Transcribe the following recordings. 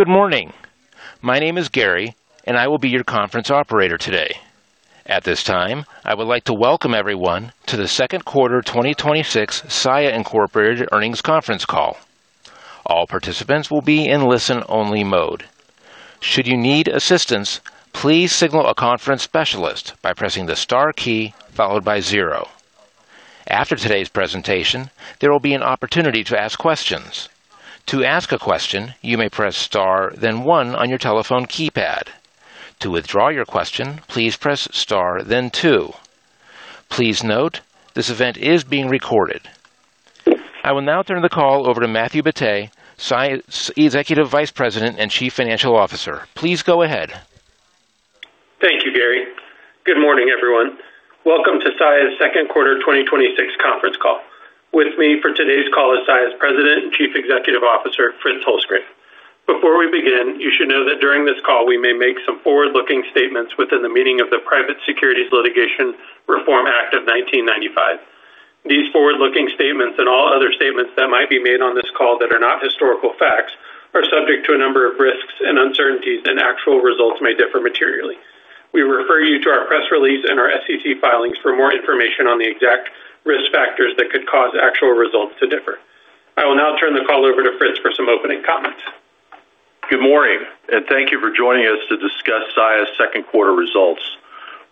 Good morning. My name is Gary, and I will be your conference operator today. At this time, I would like to welcome everyone to the second quarter 2026 Saia, Inc. earnings conference call. All participants will be in listen-only mode. Should you need assistance, please signal a conference specialist by pressing the star key followed by zero. After today's presentation, there will be an opportunity to ask questions. To ask a question, you may press star then one on your telephone keypad. To withdraw your question, please press star then two. Please note, this event is being recorded. I will now turn the call over to Matthew Batteh, Saia's Executive Vice President and Chief Financial Officer. Please go ahead. Thank you, Gary. Good morning, everyone. Welcome to Saia's second quarter 2026 conference call. With me for today's call is Saia's President and Chief Executive Officer, Fritz Holzgrefe. Before we begin, you should know that during this call, we may make some forward-looking statements within the meaning of the Private Securities Litigation Reform Act of 1995. These forward-looking statements, and all other statements that might be made on this call that are not historical facts, are subject to a number of risks and uncertainties, and actual results may differ materially. We refer you to our press release and our SEC filings for more information on the exact risk factors that could cause actual results to differ. I will now turn the call over to Fritz for some opening comments. Good morning. Thank you for joining us to discuss Saia's second quarter results.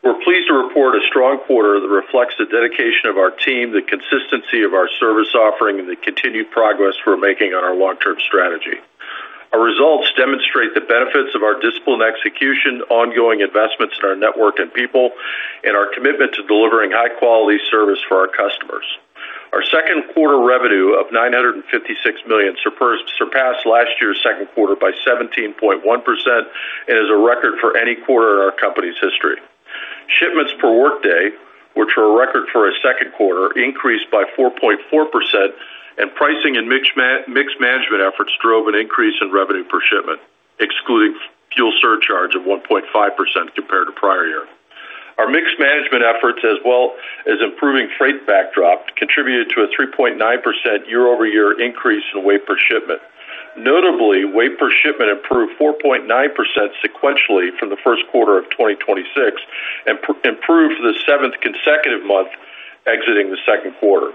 We're pleased to report a strong quarter that reflects the dedication of our team, the consistency of our service offering, and the continued progress we're making on our long-term strategy. Our results demonstrate the benefits of our disciplined execution, ongoing investments in our network and people, and our commitment to delivering high-quality service for our customers. Our second quarter revenue of $956 million surpassed last year's second quarter by 17.1% and is a record for any quarter in our company's history. Shipments per workday, which were a record for a second quarter, increased by 4.4%, and pricing and mixed management efforts drove an increase in revenue per shipment, excluding fuel surcharge of 1.5% compared to prior year. Our mixed management efforts, as well as improving freight backdrop, contributed to a 3.9% year-over-year increase in weight per shipment. Notably, weight per shipment improved 4.9% sequentially from the first quarter of 2026, and improved for the seventh consecutive month exiting the second quarter.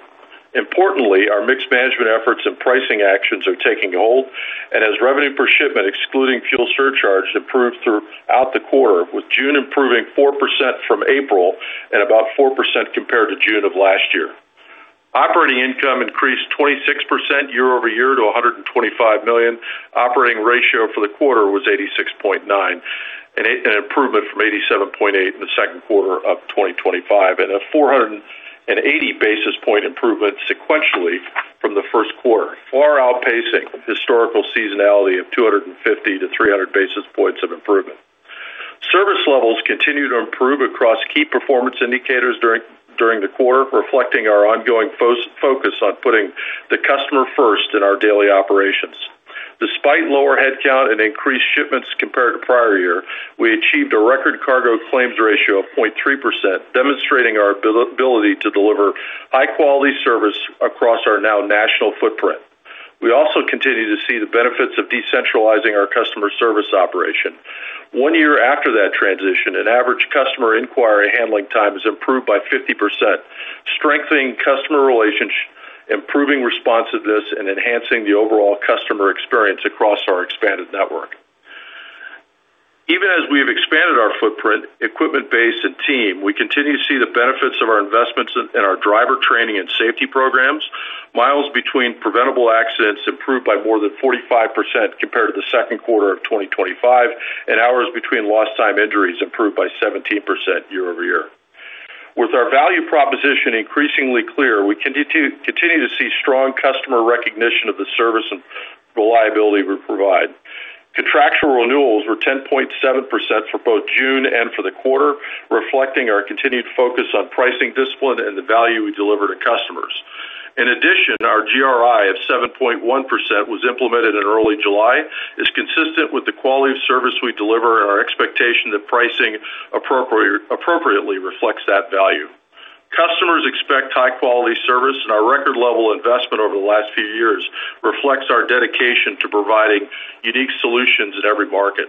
As revenue per shipment, excluding fuel surcharge, improved throughout the quarter, with June improving 4% from April and about 4% compared to June of last year. Operating income increased 26% year-over-year to $125 million. Operating ratio for the quarter was 86.9%, an improvement from 87.8% in the second quarter of 2025, and a 480 basis point improvement sequentially from the first quarter, far outpacing historical seasonality of 250-300 basis points of improvement. Service levels continued to improve across key performance indicators during the quarter, reflecting our ongoing focus on putting the customer first in our daily operations. Despite lower headcount and increased shipments compared to prior year, we achieved a record cargo claims ratio of 0.3%, demonstrating our ability to deliver high-quality service across our now national footprint. We also continue to see the benefits of decentralizing our customer service operation. One year after that transition, an average customer inquiry handling time has improved by 50%, strengthening customer relationship, improving responsiveness, and enhancing the overall customer experience across our expanded network. Even as we've expanded our footprint, equipment base, and team, we continue to see the benefits of our investments in our driver training and safety programs. Miles between preventable accidents improved by more than 45% compared to the second quarter of 2025. Hours between lost time injuries improved by 17% year-over-year. With our value proposition increasingly clear, we continue to see strong customer recognition of the service and reliability we provide. Contractual renewals were 10.7% for both June and for the quarter, reflecting our continued focus on pricing discipline and the value we deliver to customers. Our GRI of 7.1% was implemented in early July. It's consistent with the quality of service we deliver and our expectation that pricing appropriately reflects that value. Customers expect high-quality service, and our record level investment over the last few years reflects our dedication to providing unique solutions in every market.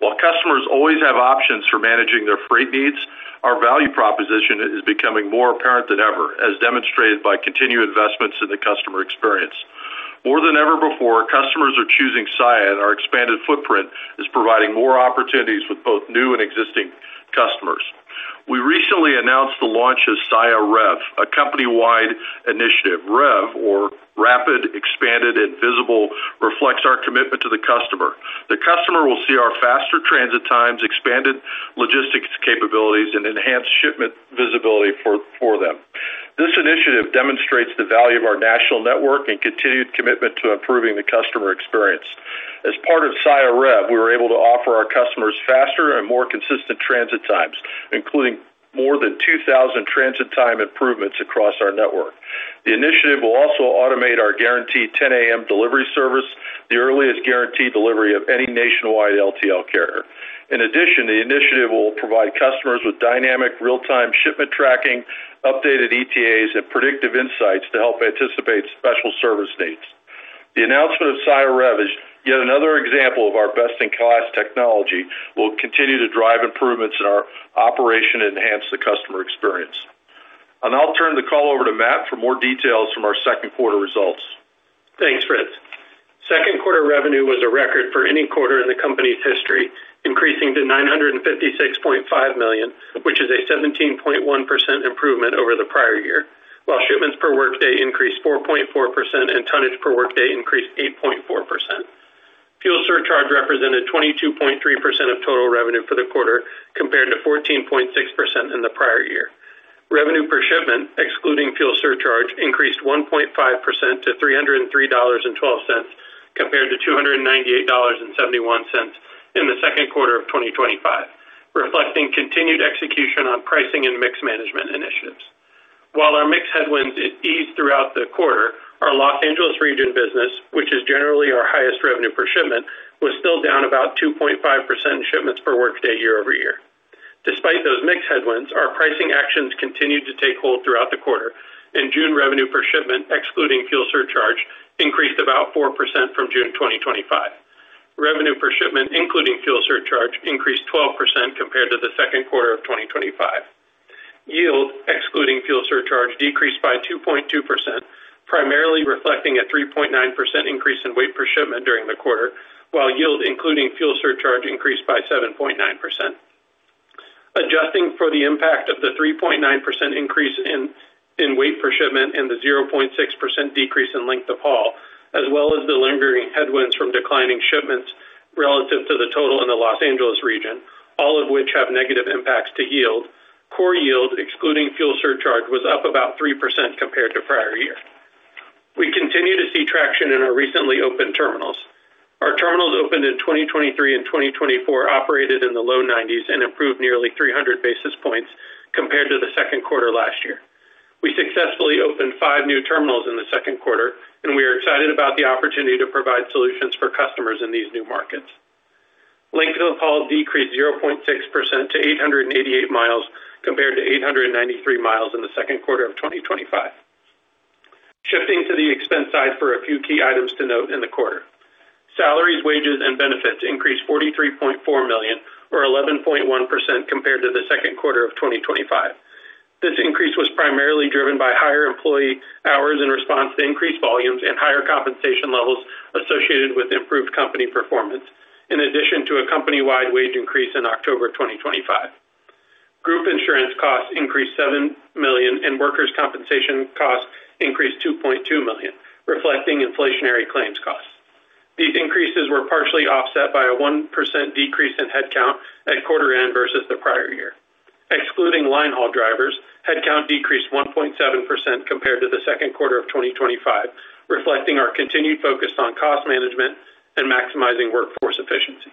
While customers always have options for managing their freight needs, our value proposition is becoming more apparent than ever, as demonstrated by continued investments in the customer experience. More than ever before, customers are choosing Saia. Our expanded footprint is providing more opportunities with both new and existing customers. We recently announced the launch of Saia REV, a company-wide initiative. REV, or Rapid, Expanded, and Visible, reflects our commitment to the customer. The customer will see our faster transit times, expanded logistics capabilities, and enhanced shipment visibility for them. This initiative demonstrates the value of our national network and continued commitment to improving the customer experience. As part of Saia REV, we were able to offer our customers faster and more consistent transit times, including more than 2,000 transit time improvements across our network. The initiative will also automate our guaranteed 10:00 A.M. delivery service, the earliest guaranteed delivery of any nationwide LTL carrier. The initiative will provide customers with dynamic real-time shipment tracking, updated ETAs, and predictive insights to help anticipate special service dates. The announcement of Saia REV is yet another example of our best-in-class technology will continue to drive improvements in our operation and enhance the customer experience. I'll now turn the call over to Matt for more details from our second quarter results. Thanks, Fritz. Second quarter revenue was a record for any quarter in the company's history, increasing to $956.5 million, which is a 17.1% improvement over the prior year. Shipments per workday increased 4.4% and tonnage per workday increased 8.4%. Fuel surcharge represented 22.3% of total revenue for the quarter compared to 14.6% in the prior year. Revenue per shipment, excluding fuel surcharge, increased 1.5% to $303.12 compared to $298.71 in the second quarter of 2025, reflecting continued execution on pricing and mix management initiatives. Our mix headwinds eased throughout the quarter, our Los Angeles region business, which is generally our highest revenue per shipment, was still down about 2.5% in shipments per workday year-over-year. Despite those mix headwinds, our pricing actions continued to take hold throughout the quarter. In June, revenue per shipment, excluding fuel surcharge, increased about 4% from June 2025. Revenue per shipment, including fuel surcharge, increased 12% compared to the second quarter of 2025. Yield, excluding fuel surcharge, decreased by 2.2%, primarily reflecting a 3.9% increase in weight per shipment during the quarter. Yield, including fuel surcharge, increased by 7.9%. Adjusting for the impact of the 3.9% increase in weight per shipment and the 0.6% decrease in length of haul, as well as the lingering headwinds from declining shipments relative to the total in the Los Angeles region, all of which have negative impacts to yield, core yield, excluding fuel surcharge, was up about 3% compared to prior year. We continue to see traction in our recently opened terminals. Our terminals opened in 2023 and 2024, operated in the low 90s and improved nearly 300 basis points compared to the second quarter last year. We successfully opened five new terminals in the second quarter. We are excited about the opportunity to provide solutions for customers in these new markets. Length of haul decreased 0.6% to 888 miles compared to 893 miles in the second quarter of 2025. Shifting to the expense side for a few key items to note in the quarter. Salaries, wages, and benefits increased to $43.4 million or 11.1% compared to the second quarter of 2025. This increase was primarily driven by higher employee hours in response to increased volumes and higher compensation levels associated with improved company performance, in addition to a company-wide wage increase in October 2025. Group insurance costs increased to $7 million, and workers' compensation costs increased to $2.2 million, reflecting inflationary claims costs. These increases were partially offset by a 1% decrease in headcount at quarter end versus the prior year. Excluding line-haul drivers, headcount decreased 1.7% compared to the second quarter of 2025, reflecting our continued focus on cost management and maximizing workforce efficiency.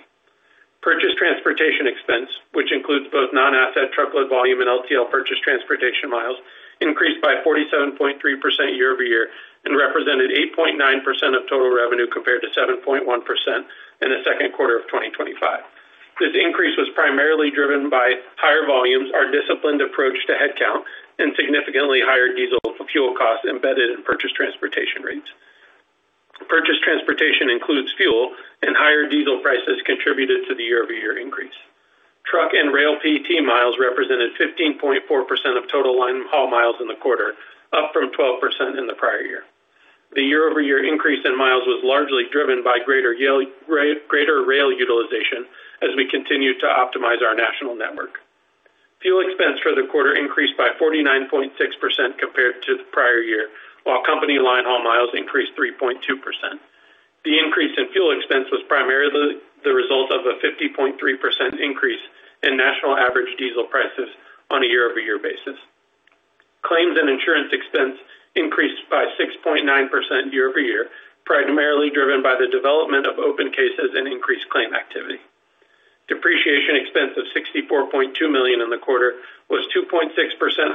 Purchase transportation expense, which includes both non-asset truckload volume and LTL purchase transportation miles, increased by 47.3% year-over-year and represented 8.9% of total revenue compared to 7.1% in the second quarter of 2025. This increase was primarily driven by higher volumes, our disciplined approach to headcount, and significantly higher diesel fuel costs embedded in purchase transportation rates. Purchase transportation includes fuel, and higher diesel prices contributed to the year-over-year increase. Truck and rail PT miles represented 15.4% of total line-haul miles in the quarter, up from 12% in the prior year. The year-over-year increase in miles was largely driven by greater rail utilization as we continue to optimize our national network. Fuel expense for the quarter increased by 49.6% compared to the prior year, while company line-haul miles increased 3.2%. The increase in fuel expense was primarily the result of a 50.3% increase in national average diesel prices on a year-over-year basis. Claims and insurance expense increased by 6.9% year-over-year, primarily driven by the development of open cases and increased claim activity. Depreciation expense of $64.2 million in the quarter was 2.6%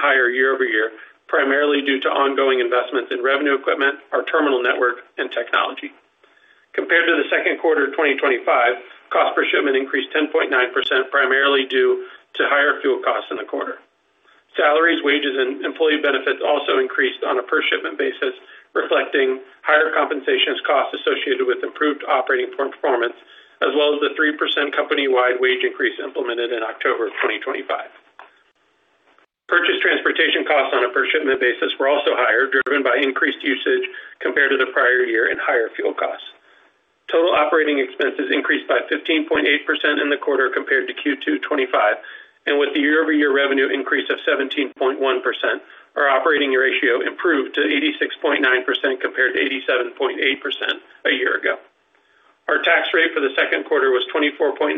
higher year-over-year, primarily due to ongoing investments in revenue equipment, our terminal network, and technology. Compared to the second quarter of 2025, cost per shipment increased 10.9%, primarily due to higher fuel costs in the quarter. Salaries, wages, and employee benefits also increased on a per shipment basis, reflecting higher compensations costs associated with improved operating performance, as well as the 3% company-wide wage increase implemented in October 2025. Purchase transportation costs on a per shipment basis were also higher, driven by increased usage compared to the prior year and higher fuel costs. Total operating expenses increased by 15.8% in the quarter compared to Q2 2025. With the year-over-year revenue increase of 17.1%, our operating ratio improved to 86.9% compared to 87.8% a year ago. Our tax rate for the second quarter was 24.9%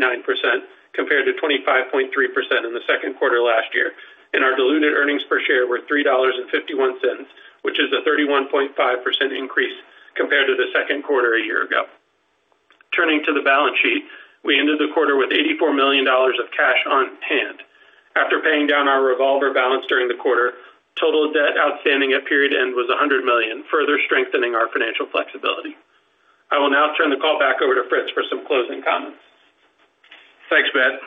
compared to 25.3% in the second quarter last year, and our diluted earnings per share were $3.51, which is a 31.5% increase compared to the second quarter a year ago. Turning to the balance sheet, we ended the quarter with $84 million of cash on hand. After paying down our revolver balance during the quarter, total debt outstanding at period end was $100 million, further strengthening our financial flexibility. I will now turn the call back over to Fritz for some closing comments. Thanks, Matt.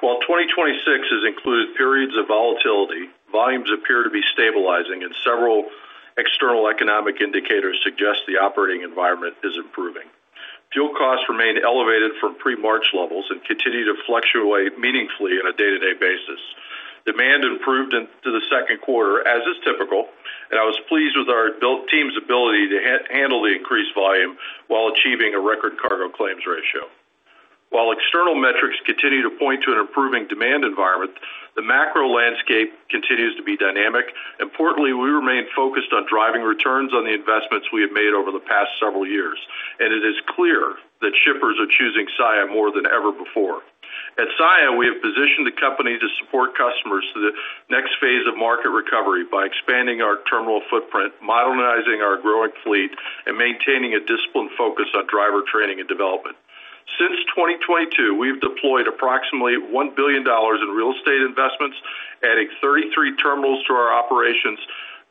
While 2026 has included periods of volatility, volumes appear to be stabilizing and several external economic indicators suggest the operating environment is improving. Fuel costs remain elevated from pre-March levels and continue to fluctuate meaningfully on a day-to-day basis. Demand improved into the second quarter, as is typical, and I was pleased with our team's ability to handle the increased volume while achieving a record cargo claims ratio. While external metrics continue to point to an improving demand environment, the macro landscape continues to be dynamic. Importantly, we remain focused on driving returns on the investments we have made over the past several years, and it is clear that shippers are choosing Saia more than ever before. At Saia, we have positioned the company to support customers through the next phase of market recovery by expanding our terminal footprint, modernizing our growing fleet, and maintaining a disciplined focus on driver training and development. Since 2022, we've deployed approximately $1 billion in real estate investments, adding 33 terminals to our operations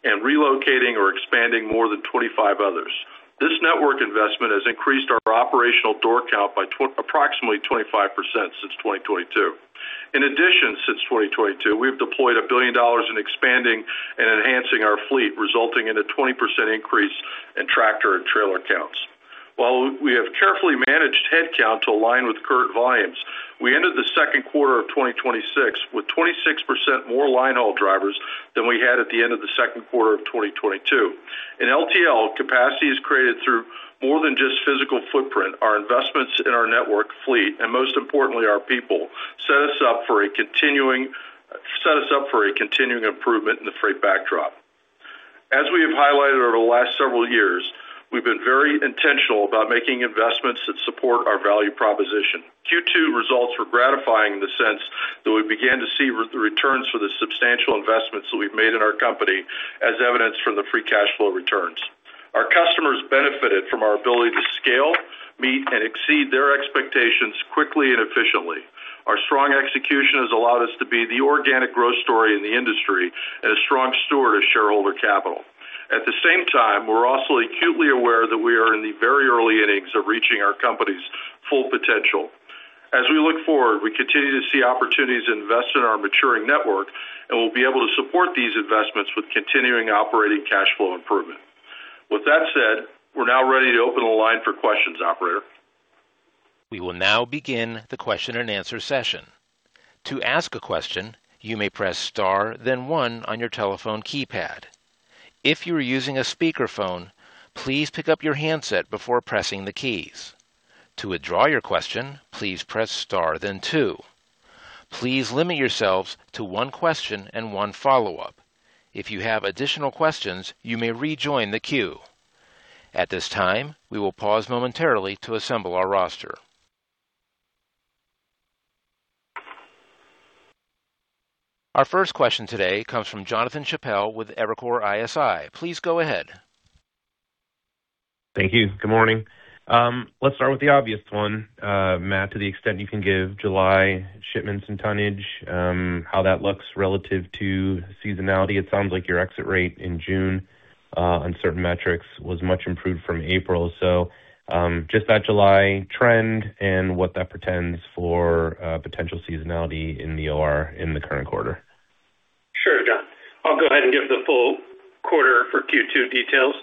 and relocating or expanding more than 25 others. This network investment has increased our operational door count by approximately 25% since 2022. In addition, since 2022, we have deployed $1 billion in expanding and enhancing our fleet, resulting in a 20% increase in tractor and trailer counts. While we have carefully managed headcount to align with current volumes, we ended the second quarter of 2026 with 26% more linehaul drivers than we had at the end of the second quarter of 2022. In LTL, capacity is created through more than just physical footprint. Our investments in our network fleet, and most importantly, our people, set us up for a continuing improvement in the freight backdrop. As we have highlighted over the last several years, we've been very intentional about making investments that support our value proposition. Q2 results were gratifying in the sense that we began to see the returns for the substantial investments that we've made in our company, as evidenced from the free cash flow returns. Our customers benefited from our ability to scale, meet, and exceed their expectations quickly and efficiently. Our strong execution has allowed us to be the organic growth story in the industry and a strong steward of shareholder capital. At the same time, we're also acutely aware that we are in the very early innings of reaching our company's full potential. As we look forward, we continue to see opportunities to invest in our maturing network, and we'll be able to support these investments with continuing operating cash flow improvement. With that said, we're now ready to open the line for questions, operator. We will now begin the question and answer session. To ask a question, you may press star then one on your telephone keypad. If you are using a speakerphone, please pick up your handset before pressing the keys. To withdraw your question, please press star then two. Please limit yourselves to one question and one follow-up. If you have additional questions, you may rejoin the queue. At this time, we will pause momentarily to assemble our roster. Our first question today comes from Jonathan Chappell with Evercore ISI. Please go ahead. Thank you. Good morning. Let's start with the obvious one, Matt, to the extent you can give July shipments and tonnage, how that looks relative to seasonality. It sounds like your exit rate in June on certain metrics was much improved from April. Just that July trend and what that portends for potential seasonality in the OR in the current quarter. Sure, Jon. I'll go ahead and give the full quarter for Q2 details.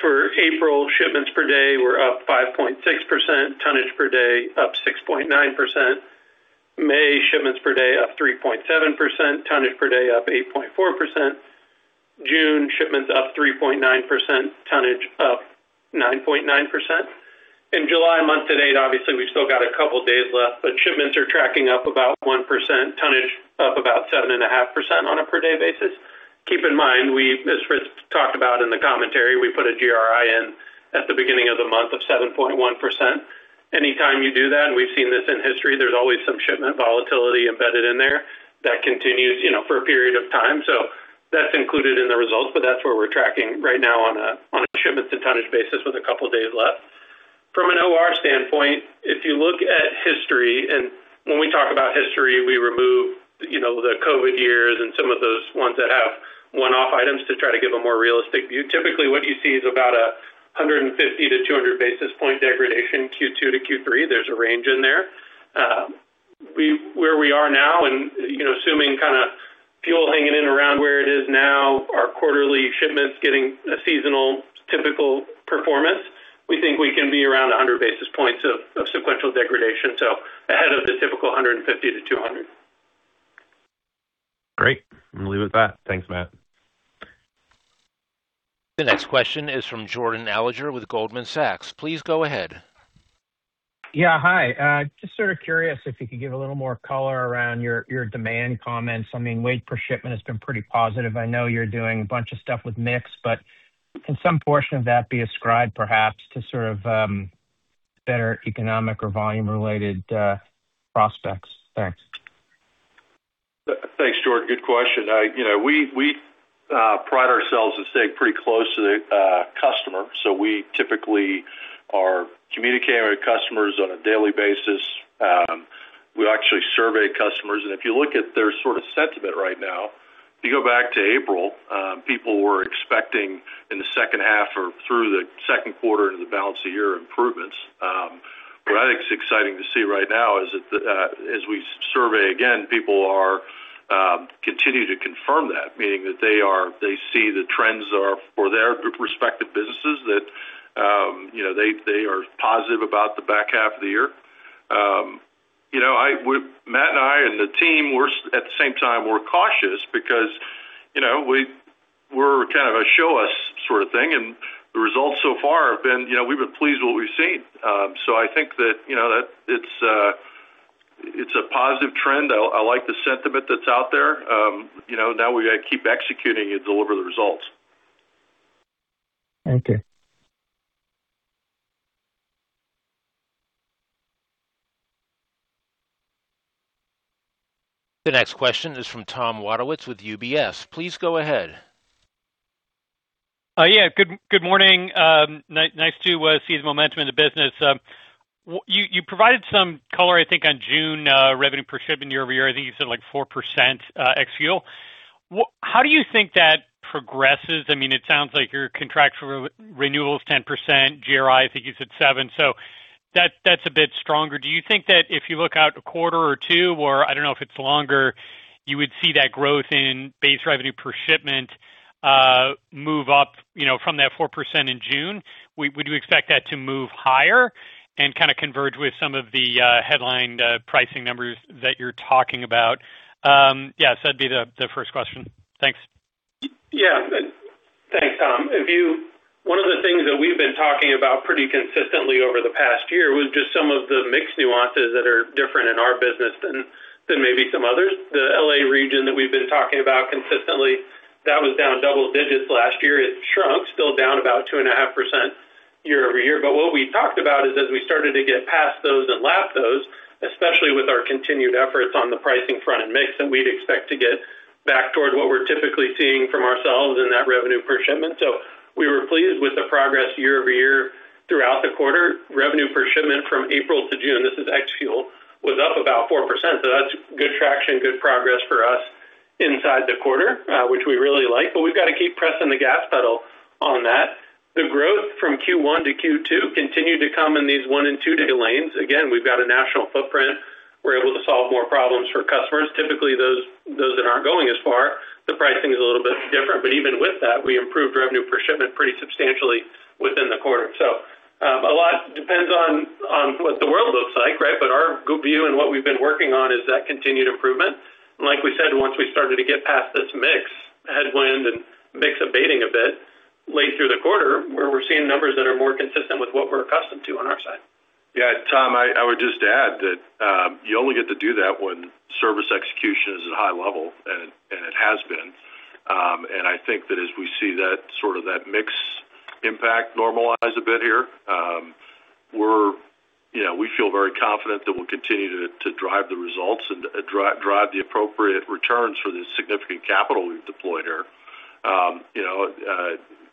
For April, shipments per day were up 5.6%, tonnage per day up 6.9%. May, shipments per day up 3.7%, tonnage per day up 8.4%. June, shipments up 3.9%, tonnage up 9.9%. In July month to date, obviously, we've still got a couple days left, but shipments are tracking up about 1%, tonnage up about 7.5% on a per day basis. Keep in mind, as Fritz talked about in the commentary, we put a GRI in at the beginning of the month of 7.1%. Anytime you do that, and we've seen this in history, there's always some shipment volatility embedded in there that continues for a period of time. That's included in the results, but that's where we're tracking right now on a shipments to tonnage basis with a couple of days left. From an OR standpoint, if you look at history, and when we talk about history, we remove the COVID years and some of those ones that have one-off items to try to give a more realistic view. Typically, what you see is about a 150 to 200 basis point degradation, Q2 to Q3. There's a range in there. Where we are now, and assuming fuel hanging in around where it is now, our quarterly shipments getting a seasonal typical performance, we think we can be around 100 basis points of sequential degradation. Ahead of the typical 150 to 200. Great. I'm going to leave it at that. Thanks, Matt. The next question is from Jordan Alliger with Goldman Sachs. Please go ahead. Yeah. Hi. Just sort of curious if you could give a little more color around your demand comments. Weight per shipment has been pretty positive. I know you're doing a bunch of stuff with mix, but can some portion of that be ascribed perhaps to sort of better economic or volume-related prospects? Thanks. Thanks, Jordan. Good question. We pride ourselves in staying pretty close to the customer. We typically are communicating with customers on a daily basis. We actually survey customers, and if you look at their sentiment right now, if you go back to April, people were expecting in the second half or through the second quarter into the balance of year improvements. What I think is exciting to see right now is that as we survey again, people continue to confirm that, meaning that they see the trends are for their respective businesses, that they are positive about the back half of the year. Matt and I, and the team, at the same time, we're cautious because we're a show-us sort of thing. The results so far, we've been pleased with what we've seen. I think that it's a positive trend. I like the sentiment that's out there. Now we got to keep executing and deliver the results. Okay. The next question is from Tom Wadewitz with UBS. Please go ahead. Yeah. Good morning. Nice to see the momentum in the business. You provided some color, I think on June revenue per shipment year-over-year, you said 4% ex fuel. How do you think that progresses? It sounds like your contractual renewal is 10%, GRI, you said 7%, so that's a bit stronger. Do you think that if you look out a quarter or two, or I don't know if it's longer, you would see that growth in base revenue per shipment move up from that 4% in June? Would you expect that to move higher and converge with some of the headline pricing numbers that you're talking about? Yes, that'd be the first question. Thanks. Yeah. Thanks, Tom. One of the things that we've been talking about pretty consistently over the past year was just some of the mix nuances that are different in our business than maybe some others. The L.A. region that we've been talking about consistently, that was down double digits last year. It shrunk, still down about 2.5% year-over-year. What we talked about is as we started to get past those and lap those, especially with our continued efforts on the pricing front and mix, that we'd expect to get back toward what we're typically seeing from ourselves in that revenue per shipment. We were pleased with the progress year-over-year throughout the quarter. Revenue per shipment from April to June, this is ex fuel, was up about 4%. That's good traction, good progress for us inside the quarter, which we really like. We've got to keep pressing the gas pedal on that. The growth from Q1 to Q2 continued to come in these one and two-day lanes. Again, we've got a national footprint. We're able to solve more problems for customers. Typically, those that aren't going as far, the pricing is a little bit different. Even with that, we improved revenue per shipment pretty substantially within the quarter. A lot depends on what the world looks like, right? Our view and what we've been working on is that continued improvement. Like we said, once we started to get past this mix headwind and mix abating a bit late through the quarter, where we're seeing numbers that are more consistent with what we're accustomed to on our side. Yeah, Tom, I would just add that you only get to do that when service execution is at high level, and it has been. I think that as we see that mix impact normalize a bit here, we feel very confident that we'll continue to drive the results and drive the appropriate returns for the significant capital we've deployed here.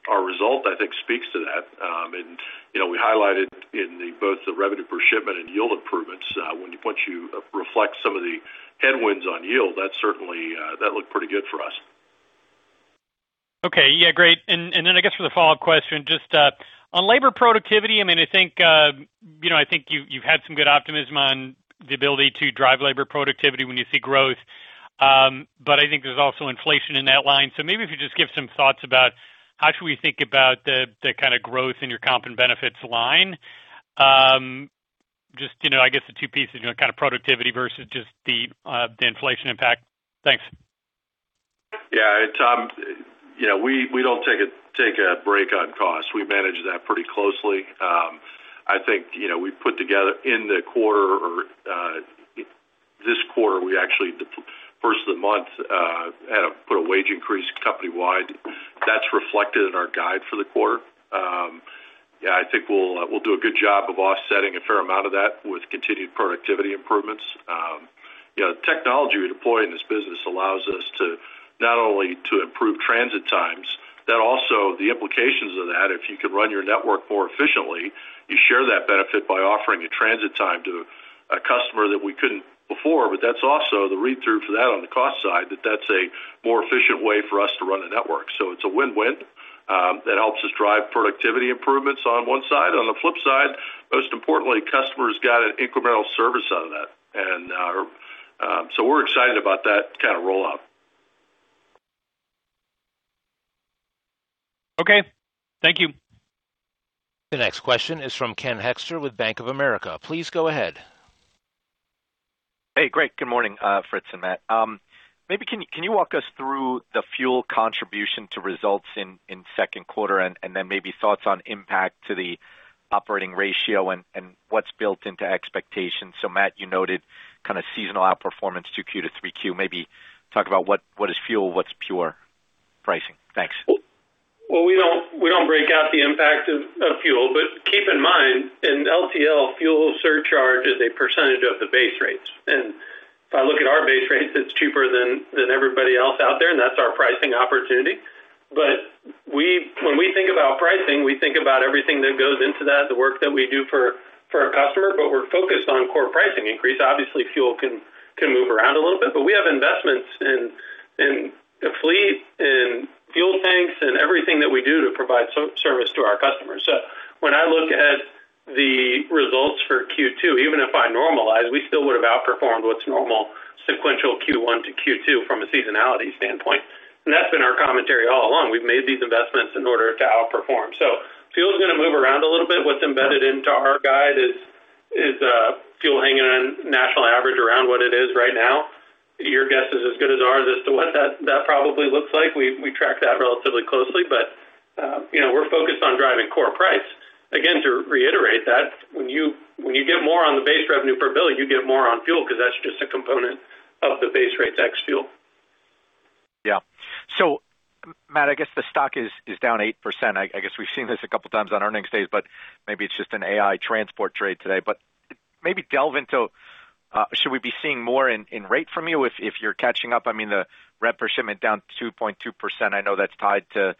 Our result, I think, speaks to that. We highlighted in both the revenue per shipment and yield improvements, once you reflect some of the headwinds on yield, that looked pretty good for us. Okay. Yeah, great. I guess for the follow-up question, just on labor productivity, I think you've had some good optimism on the ability to drive labor productivity when you see growth. I think there's also inflation in that line. Maybe if you just give some thoughts about how should we think about the kind of growth in your comp and benefits line. Just, I guess the two pieces, kind of productivity versus just the inflation impact. Thanks. Yeah. Tom, we don't take a break on cost. We manage that pretty closely. I think we put together in the quarter, or this quarter, we actually, the 1st of the month, put a wage increase company-wide. That's reflected in our guide for the quarter. Yeah, I think we'll do a good job of offsetting a fair amount of that with continued productivity improvements. Technology we deploy in this business allows us to not only to improve transit times, also the implications of that, if you can run your network more efficiently, you share that benefit by offering a transit time to a customer that we couldn't before. That's also the read-through for that on the cost side, that that's a more efficient way for us to run a network. It's a win-win that helps us drive productivity improvements on one side. On the flip side, most importantly, customers got an incremental service out of that. We're excited about that kind of rollout. Okay. Thank you. The next question is from Ken Hoexter with Bank of America. Please go ahead. Hey, great. Good morning, Fritz and Matt. Maybe can you walk us through the fuel contribution to results in second quarter, then maybe thoughts on impact to the operating ratio and what's built into expectations? Matt, you noted seasonal outperformance 2Q to 3Q, maybe talk about what is fuel, what's pure pricing. Thanks. The impact of fuel. Keep in mind, in LTL, fuel surcharge is a percentage of the base rates. If I look at our base rates, it's cheaper than everybody else out there, and that's our pricing opportunity. When we think about pricing, we think about everything that goes into that, the work that we do for our customer, but we're focused on core pricing increase. Obviously fuel can move around a little bit, but we have investments in the fleet, in fuel tanks, and everything that we do to provide service to our customers. When I look at the results for Q2, even if I normalize, we still would have outperformed what's normal sequential Q1 to Q2 from a seasonality standpoint. That's been our commentary all along. We've made these investments in order to outperform. Fuel is going to move around a little bit. What's embedded into our guide is fuel hanging on national average around what it is right now. Your guess is as good as ours as to what that probably looks like. We track that relatively closely, but we're focused on driving core price. Again, to reiterate that, when you get more on the base revenue per bill, you get more on fuel because that's just a component of the base rates ex-fuel. Yeah. Matt, I guess the stock is down 8%. I guess we've seen this a couple times on earnings days, maybe it's just an AI transport trade today. Maybe delve into, should we be seeing more in rate from you if you're catching up? I mean, the rep per shipment down 2.2%. I know that's tied to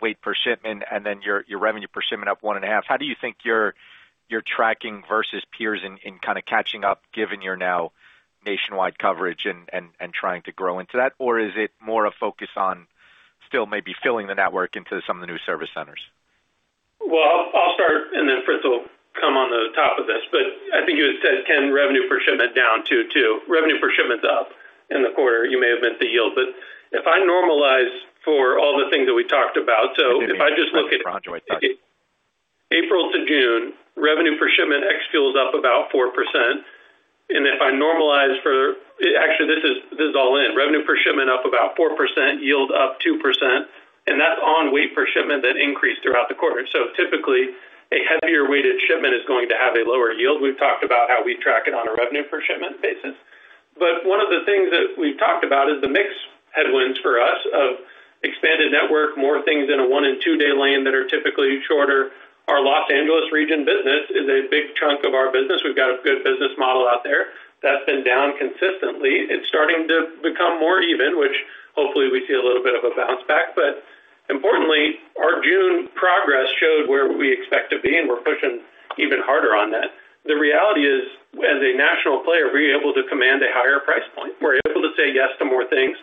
weight per shipment, then your revenue per shipment up one and a half. How do you think you're tracking versus peers in kind of catching up, given you're now nationwide coverage and trying to grow into that? Is it more a focus on still maybe filling the network into some of the new service centers? Well, I'll start and then Fritz will come on the top of this. I think you had said Ken, revenue per shipment down 2.2. Revenue per shipment is up in the quarter. You may have meant the yield, if I normalize for all the things that we talked about, if I just look at April to June, revenue per shipment ex-fuel is up about 4%. If I normalize for Actually, this is all in. Revenue per shipment up about 4%, yield up 2%, that's on weight per shipment that increased throughout the quarter. Typically, a heavier weighted shipment is going to have a lower yield. We've talked about how we track it on a revenue per shipment basis. One of the things that we've talked about is the mix headwinds for us of expanded network, more things in a one and two-day lane that are typically shorter. Our Los Angeles region business is a big chunk of our business. We've got a good business model out there. That's been down consistently. It's starting to become more even, which hopefully we see a little bit of a bounce back. Importantly, our June progress showed where we expect to be, we're pushing even harder on that. The reality is, as a national player, we're able to command a higher price point. We're able to say yes to more things.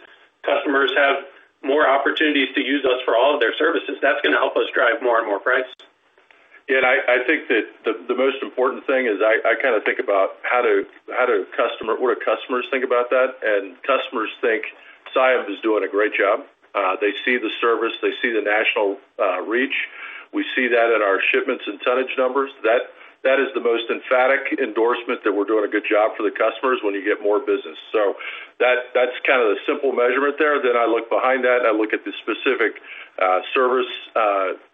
Customers have more opportunities to use us for all of their services. That's going to help us drive more and more price. Yeah, I think that the most important thing is I kind of think about what do customers think about that. Customers think Saia is doing a great job. They see the service. They see the national reach. We see that in our shipments and tonnage numbers. That is the most emphatic endorsement that we're doing a good job for the customers when you get more business. That's kind of the simple measurement there. I look behind that I look at the specific service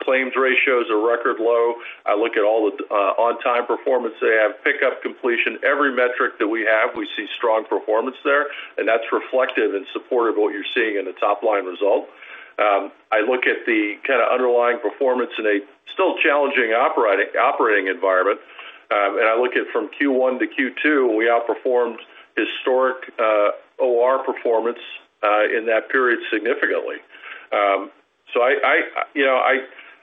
claims ratios are record low. I look at all the on-time performance they have, pickup completion. Every metric that we have, we see strong performance there, that's reflective and supportive of what you're seeing in the top-line result. I look at the kind of underlying performance in a still challenging operating environment. I look at from Q1 to Q2, we outperformed historic OR performance in that period significantly.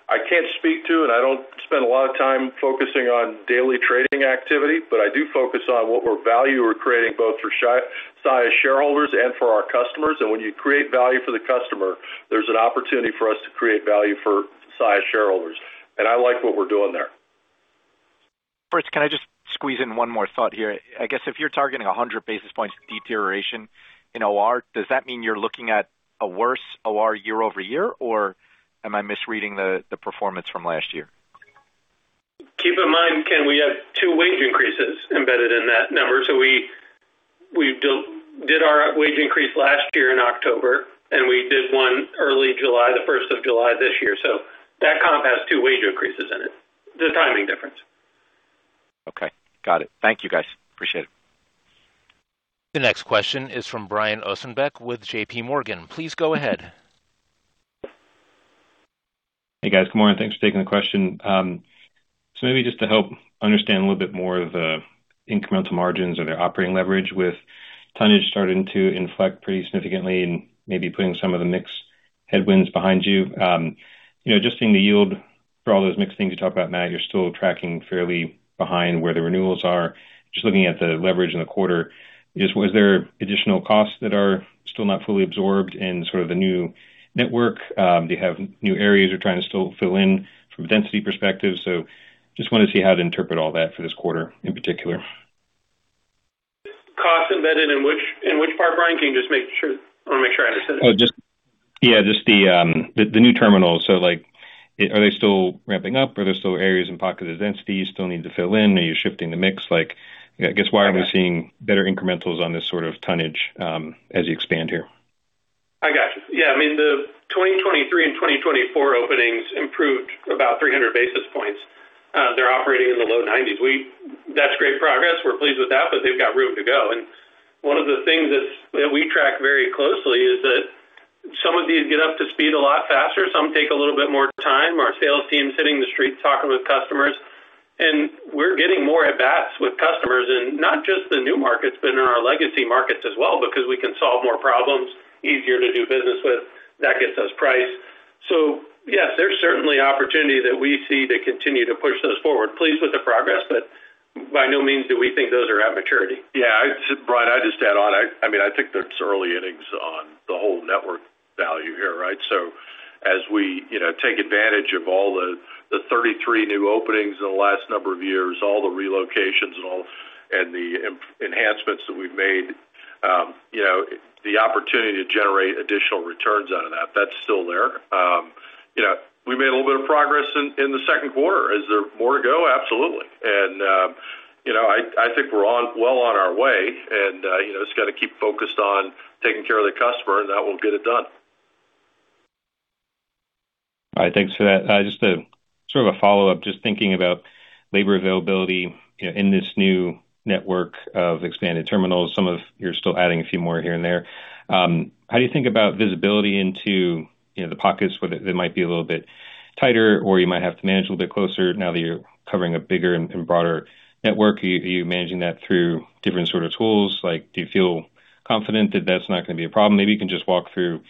I can't speak to, and I don't spend a lot of time focusing on daily trading activity, but I do focus on what value we're creating both for Saia shareholders and for our customers. When you create value for the customer, there's an opportunity for us to create value for Saia shareholders. I like what we're doing there. Fritz, can I just squeeze in one more thought here? I guess if you're targeting 100 basis points of deterioration in OR, does that mean you're looking at a worse OR year-over-year, or am I misreading the performance from last year? Keep in mind, Ken, we have two wage increases embedded in that number. We did our wage increase last year in October, and we did one early July, the 1st of July this year. That comp has two wage increases in it. Just timing difference. Okay. Got it. Thank you, guys. Appreciate it. The next question is from Brian Ossenbeck with JPMorgan. Please go ahead. Hey, guys. Good morning. Thanks for taking the question. Maybe just to help understand a little bit more of the incremental margins or the operating leverage with tonnage starting to inflect pretty significantly and maybe putting some of the mix headwinds behind you. Just seeing the yield for all those mixed things you talked about, Matt, you're still tracking fairly behind where the renewals are. Just looking at the leverage in the quarter, was there additional costs that are still not fully absorbed in sort of the new network? Do you have new areas you're trying to still fill in from a density perspective? Just wanted to see how to interpret all that for this quarter in particular. Cost embedded in which part, Brian? I want to make sure I understand. Yeah, just the new terminal. Are they still ramping up? Are there still areas and pockets of density you still need to fill in? Are you shifting the mix? I guess why aren't we seeing better incrementals on this sort of tonnage as you expand here? I got you. Yeah. I mean, the 2023 and 2024 openings improved about 300 basis points. They're operating in the low 90s. That's great progress. We're pleased with that, but they've got room to go. One of the things that we track very closely is that some of these get up to speed a lot faster, some take a little bit more time. Our sales team is hitting the streets talking with customers, and we're getting more at bats with customers in not just the new markets, but in our legacy markets as well, because we can solve more problems, easier to do business with. That gets us price. Yes, there's certainly opportunity that we see to continue to push those forward. Pleased with the progress, but by no means do we think those are at maturity. Yeah. Brian, I'd just add on, I think that it's early innings on the whole network value here. As we take advantage of all the 33 new openings in the last number of years, all the relocations, and the enhancements that we've made, the opportunity to generate additional returns out of that's still there. We made a little bit of progress in the second quarter. Is there more to go? Absolutely. I think we're well on our way, and just got to keep focused on taking care of the customer, and that will get it done. All right. Thanks for that. Just sort of a follow-up, just thinking about labor availability in this new network of expanded terminals. Some of you are still adding a few more here and there. How do you think about visibility into the pockets where they might be a little bit tighter, or you might have to manage a little bit closer now that you're covering a bigger and broader network? Are you managing that through different sort of tools? Do you feel confident that that's not going to be a problem? Maybe you can just walk through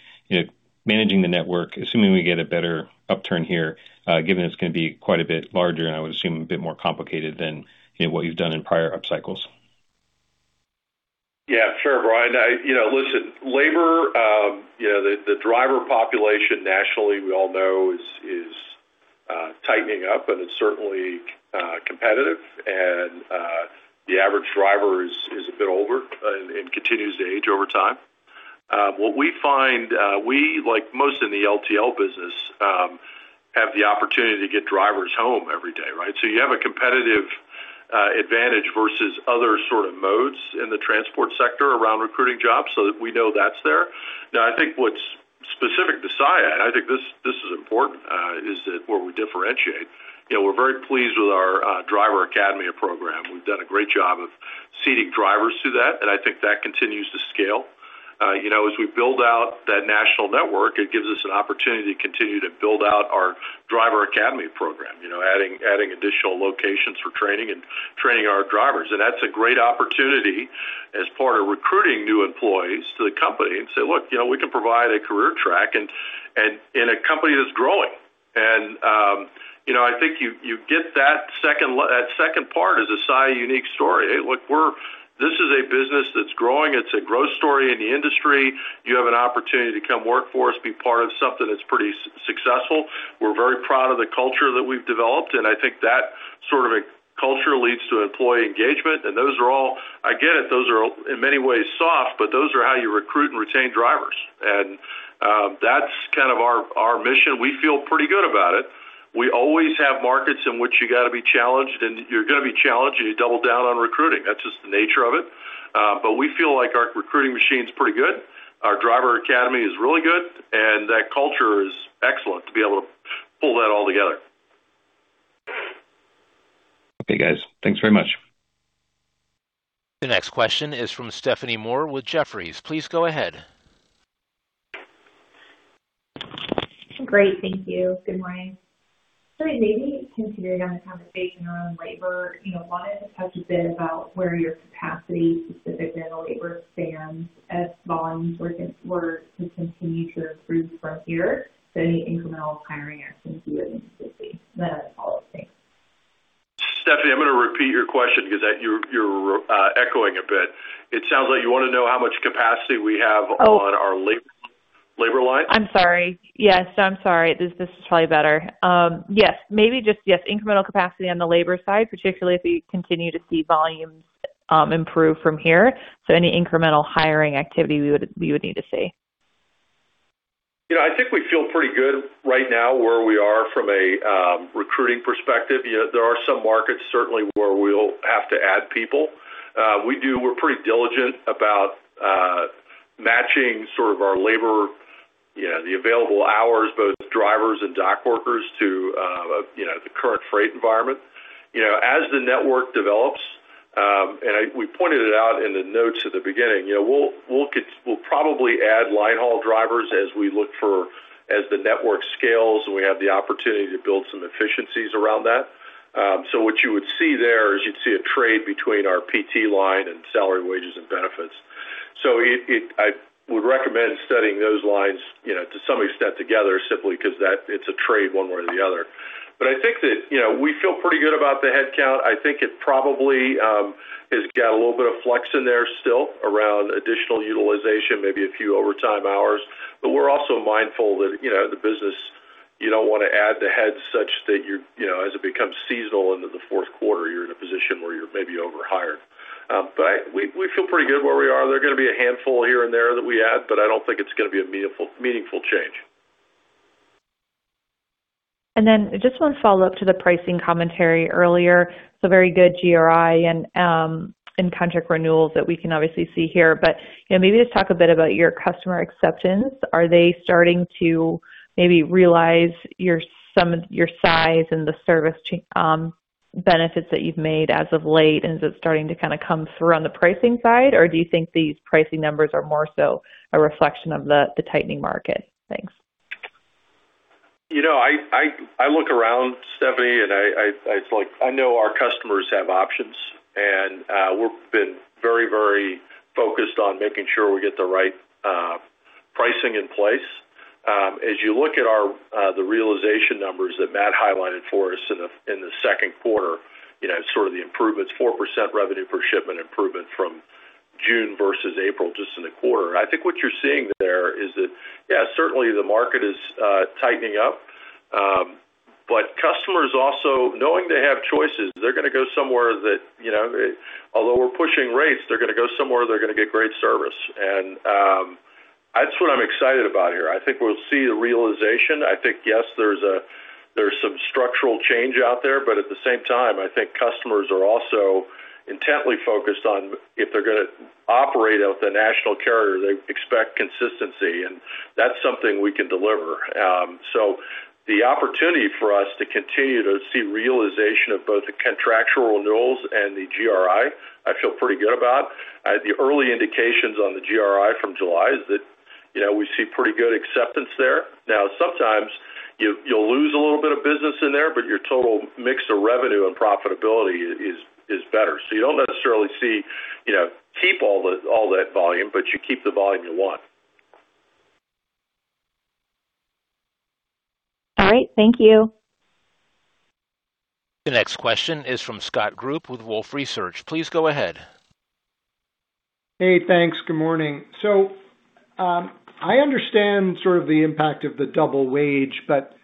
managing the network, assuming we get a better upturn here, given it's going to be quite a bit larger, and I would assume a bit more complicated than what you've done in prior up cycles. Yeah, sure, Brian. Listen, labor, the driver population nationally, we all know is tightening up, and it's certainly competitive, and the average driver is a bit older and continues to age over time. What we find, we, like most in the LTL business, have the opportunity to get drivers home every day. You have a competitive advantage versus other sort of modes in the transport sector around recruiting jobs, so we know that's there. Now, I think what's specific to Saia, and I think this is important, is that where we differentiate. We're very pleased with our Driver Academy program. We've done a great job of seeding drivers through that, and I think that continues to scale. As we build out that national network, it gives us an opportunity to continue to build out our Driver Academy program, adding additional locations for training and training our drivers. That's a great opportunity as part of recruiting new employees to the company and say, "Look, we can provide a career track in a company that's growing." I think you get that second part as a Saia unique story. "Hey, look, this is a business that's growing. It's a growth story in the industry. You have an opportunity to come work for us, be part of something that's pretty successful." We're very proud of the culture that we've developed, and I think that sort of a culture leads to employee engagement, and those are all, again, those are in many ways soft, but those are how you recruit and retain drivers. That's kind of our mission. We feel pretty good about it. We always have markets in which you got to be challenged, and you're going to be challenged, and you double down on recruiting. That's just the nature of it. We feel like our recruiting machine's pretty good. Our Driver Academy is really good, and that culture is excellent to be able to pull that all together. Okay, guys. Thanks very much. The next question is from Stephanie Moore with Jefferies. Please go ahead. Great. Thank you. Good morning. Sorry, maybe continuing on the conversation around labor, wanted to touch a bit about where your capacity specific to the labor stands as volumes were to continue to improve from here. Any incremental hiring activity you would need to see. I have a follow-up. Thanks. Stephanie, I'm going to repeat your question because you're echoing a bit. It sounds like you want to know how much capacity we have on our labor lines? I'm sorry. Yes. I'm sorry. This is probably better. Yes. Maybe just incremental capacity on the labor side, particularly if we continue to see volumes improve from here. Any incremental hiring activity we would need to see. I think we feel pretty good right now where we are from a recruiting perspective. There are some markets certainly where we'll have to add people. We're pretty diligent about matching sort of our labor, the available hours, both drivers and dock workers to the current freight environment. As the network develops, and we pointed it out in the notes at the beginning, we'll probably add line haul drivers as the network scales, and we have the opportunity to build some efficiencies around that. What you would see there is you'd see a trade between our PT line and salary, wages, and benefits. I would recommend studying those lines, to some extent together, simply because it's a trade one way or the other. I think that we feel pretty good about the headcount. I think it probably has got a little bit of flex in there still around additional utilization, maybe a few overtime hours. We're also mindful that the business, you don't want to add the heads such that as it becomes seasonal into the fourth quarter, you're in a position where you're maybe over-hired. We feel pretty good where we are. There are going to be a handful here and there that we add, but I don't think it's going to be a meaningful change. Just one follow-up to the pricing commentary earlier. Very good GRI and contract renewals that we can obviously see here. Maybe just talk a bit about your customer acceptance. Are they starting to maybe realize your size and the service change benefits that you've made as of late, and is it starting to kind of come through on the pricing side? Do you think these pricing numbers are more so a reflection of the tightening market? Thanks. I look around, Stephanie, and it's like, I know our customers have options, and we've been very focused on making sure we get the right pricing in place. As you look at the realization numbers that Matt highlighted for us in the second quarter, sort of the improvements, 4% revenue per shipment improvement from June versus April, just in a quarter. I think what you're seeing there is that, yeah, certainly the market is tightening up. Customers also, knowing they have choices, they're going to go somewhere that, although we're pushing rates, they're going to go somewhere they're going to get great service. That's what I'm excited about here. I think we'll see the realization. I think, yes, there's some structural change out there, but at the same time, I think customers are also intently focused on if they're going to operate with a national carrier, they expect consistency, and that's something we can deliver. The opportunity for us to continue to see realization of both the contractual renewals and the GRI, I feel pretty good about. The early indications on the GRI from July is that we see pretty good acceptance there. Now, sometimes you'll lose a little bit of business in there, but your total mix of revenue and profitability is better. You don't necessarily keep all that volume, but you keep the volume you want. All right. Thank you. The next question is from Scott Group with Wolfe Research. Please go ahead. Hey, thanks. Good morning. I understand sort of the impact of the double wage, but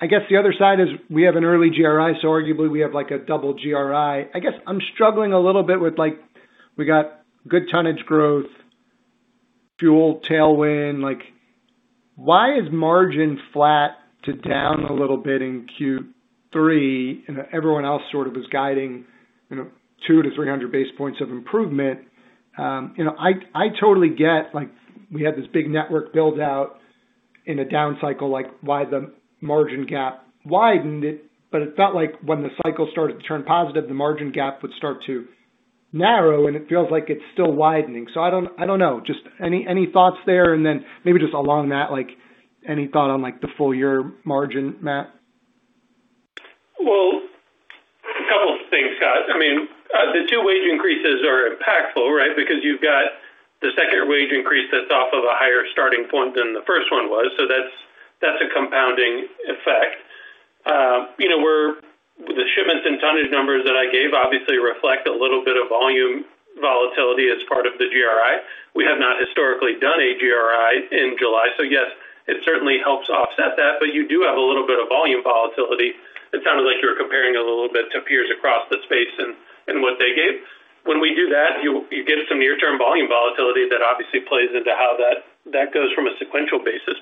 I guess the other side is we have an early GRI, so arguably we have a double GRI. I guess I'm struggling a little bit with, we got good tonnage growth, fuel tailwind. Why is margin flat to down a little bit in Q3, and everyone else sort of is guiding 200 to 300 basis points of improvement? I totally get we had this big network build-out in a down cycle, why the margin gap widened it, but it felt like when the cycle started to turn positive, the margin gap would start to narrow, and it feels like it's still widening. I don't know. Just any thoughts there? And then maybe just along that, any thought on the full year margin, Matt? A couple things, Scott. The two wage increases are impactful, right? Because you've got the second wage increase that's off of a higher starting point than the first one was. That's a compounding effect. The shipments and tonnage numbers that I gave obviously reflect a little bit of volume volatility as part of the GRI. We have not historically done a GRI in July. Yes, it certainly helps offset that, but you do have a little bit of volume volatility. It sounded like you were comparing a little bit to peers across the space and what they gave. When we do that, you get some near-term volume volatility that obviously plays into how that goes from a sequential basis.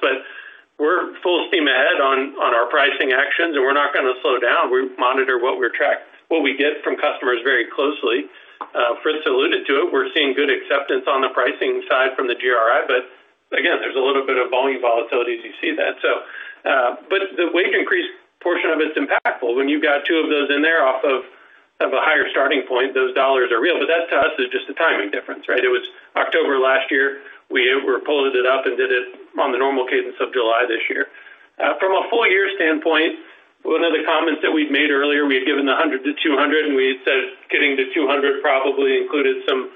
We're full steam ahead on our pricing actions, and we're not going to slow down. We monitor what we get from customers very closely. Fritz alluded to it. We're seeing good acceptance on the pricing side from the GRI. Again, there's a little bit of volume volatility as you see that. The wage increase portion of it's impactful. When you've got two of those in there off of a higher starting point, those dollars are real. That to us is just a timing difference, right? It was October last year. We pulled it up and did it on the normal cadence of July this year. From a full year standpoint, one of the comments that we'd made earlier, we had given the 100 to 200, and we had said getting to 200 probably included some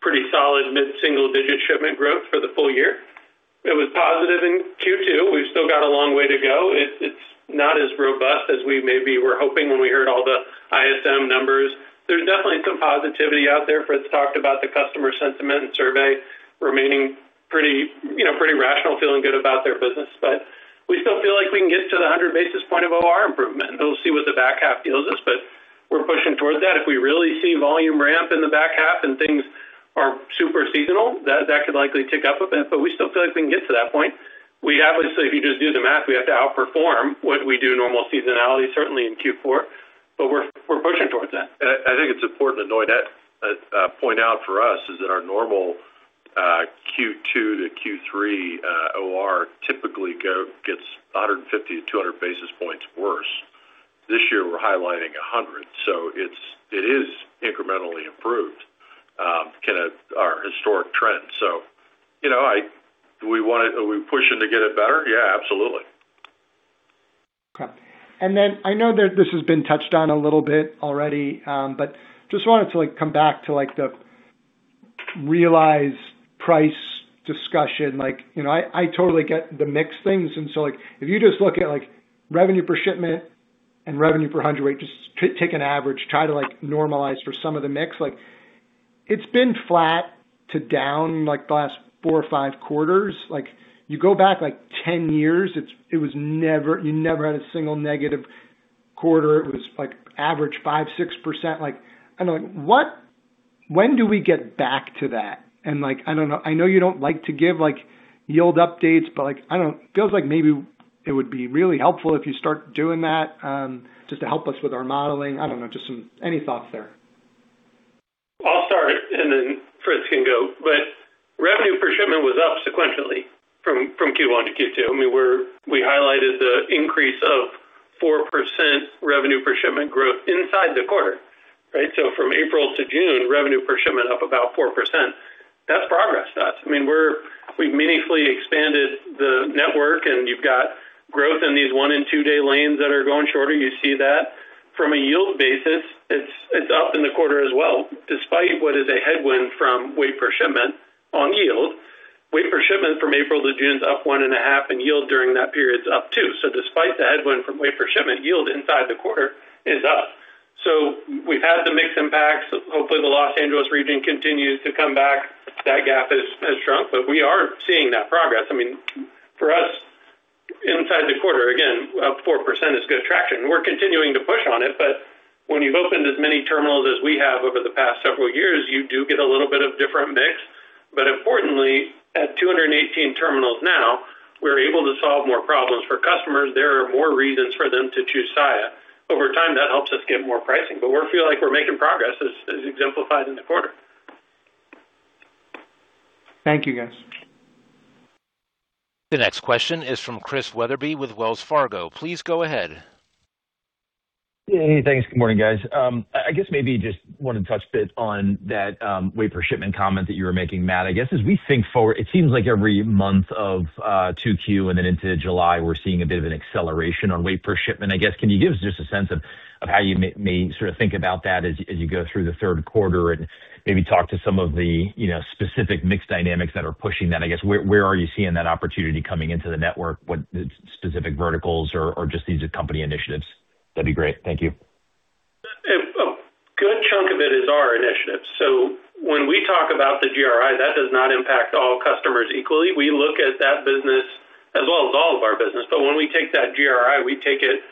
pretty solid mid-single-digit shipment growth for the full year. It was positive in Q2. We've still got a long way to go. It's not as robust as we maybe were hoping when we heard all the ISM numbers. There's definitely some positivity out there. Fritz talked about the customer sentiment and survey remaining pretty rational, feeling good about their business. We still feel like we can get to the 100 basis points of OR improvement, and we'll see what the back half deals us. We're pushing towards that. If we really see volume ramp in the back half and things are super seasonal, that could likely tick up a bit. We still feel like we can get to that point. Obviously, if you just do the math, we have to outperform what we do normal seasonality, certainly in Q4. We're pushing towards that. I think it's important to point out for us is that our normal Q2 to Q3 OR typically gets 150 to 200 basis points worse. This year, we're highlighting 100. It is incrementally improved, our historic trend. Are we pushing to get it better? Yeah, absolutely. Okay. Then I know that this has been touched on a little bit already. Just wanted to come back to the realized price discussion. I totally get the mix things. If you just look at revenue per shipment and revenue per hundred weight, just take an average, try to normalize for some of the mix. It's been flat to down the last four or five quarters. You go back 10 years, you never had a single negative quarter. It was average 5%, 6%. When do we get back to that? I know you don't like to give yield updates. It feels like maybe it would be really helpful if you start doing that just to help us with our modeling. I don't know, just any thoughts there? I'll start, and then Fritz can go. To get to. We highlighted the increase of 4% revenue per shipment growth inside the quarter, right? From April to June, revenue per shipment up about 4%. That's progress to us. We've meaningfully expanded the network, and you've got growth in these one and two-day lanes that are going shorter. You see that. From a yield basis, it's up in the quarter as well, despite what is a headwind from weight per shipment on yield. Weight per shipment from April to June is up one and a half, and yield during that period is up too. Despite the headwind from weight per shipment, yield inside the quarter is up. We've had the mix impacts. Hopefully, the Los Angeles region continues to come back. That gap has shrunk, but we are seeing that progress. For us, inside the quarter, again, up 4% is good traction. We're continuing to push on it, but when you've opened as many terminals as we have over the past several years, you do get a little bit of different mix. Importantly, at 218 terminals now, we're able to solve more problems for customers. There are more reasons for them to choose Saia. Over time, that helps us get more pricing. We feel like we're making progress, as exemplified in the quarter. Thank you, guys. The next question is from Chris Wetherbee with Wells Fargo. Please go ahead. Hey, thanks. Good morning, guys. I guess maybe just want to touch a bit on that weight per shipment comment that you were making, Matt. I guess, as we think forward, it seems like every month of 2Q and then into July, we're seeing a bit of an acceleration on weight per shipment. I guess, can you give us just a sense of how you may sort of think about that as you go through the third quarter? Maybe talk to some of the specific mix dynamics that are pushing that. I guess, where are you seeing that opportunity coming into the network? What specific verticals or just these are company initiatives? That'd be great. Thank you. A good chunk of it is our initiatives. When we talk about the GRI, that does not impact all customers equally. We look at that business as well as all of our business. When we take that GRI, we take it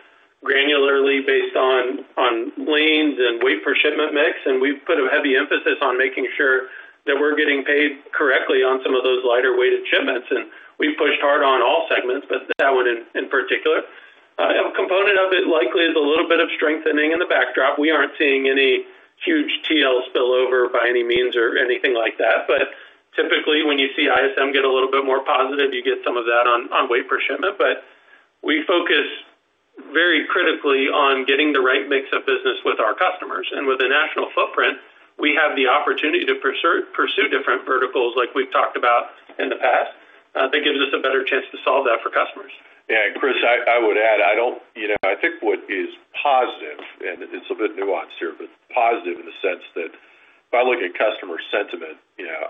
granularly based on lanes and weight per shipment mix, and we put a heavy emphasis on making sure that we're getting paid correctly on some of those lighter-weighted shipments. We pushed hard on all segments, but that one in particular. A component of it likely is a little bit of strengthening in the backdrop. We aren't seeing any huge TL spillover by any means or anything like that. Typically, when you see ISM get a little bit more positive, you get some of that on weight per shipment. We focus very critically on getting the right mix of business with our customers. With a national footprint, we have the opportunity to pursue different verticals like we've talked about in the past. That gives us a better chance to solve that for customers. Yeah, Chris, I would add, I think what is positive, and it's a bit nuanced here, but positive in the sense that if I look at customer sentiment,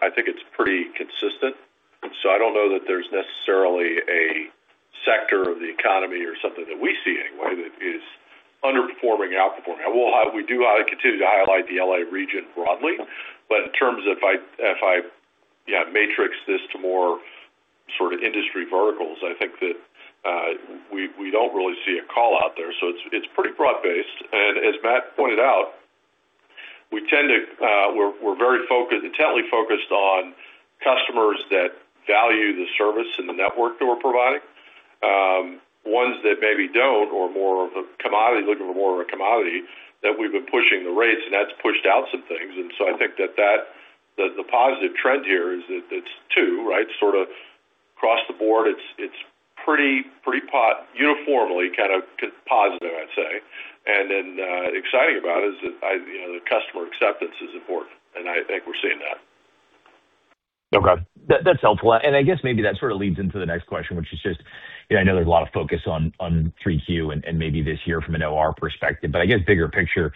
I think it's pretty consistent. I don't know that there's necessarily a sector of the economy or something that we see anyway that is underperforming or outperforming. We do continue to highlight the L.A. region broadly, but in terms of if I matrix this to more sort of industry verticals, I think that we don't really see a call out there. It's pretty broad-based. As Matt pointed out, we're very intently focused on customers that value the service and the network that we're providing. Ones that maybe don't or are looking for more of a commodity, that we've been pushing the rates, and that's pushed out some things. I think that the positive trend here is that it's two, right? Sort of across the board, it's pretty uniformly kind of positive, I'd say. Exciting about it is that the customer acceptance is important, and I think we're seeing that. Okay. That's helpful. I guess maybe that sort of leads into the next question, which is just, I know there's a lot of focus on 3Q and maybe this year from an OR perspective, but I guess bigger picture,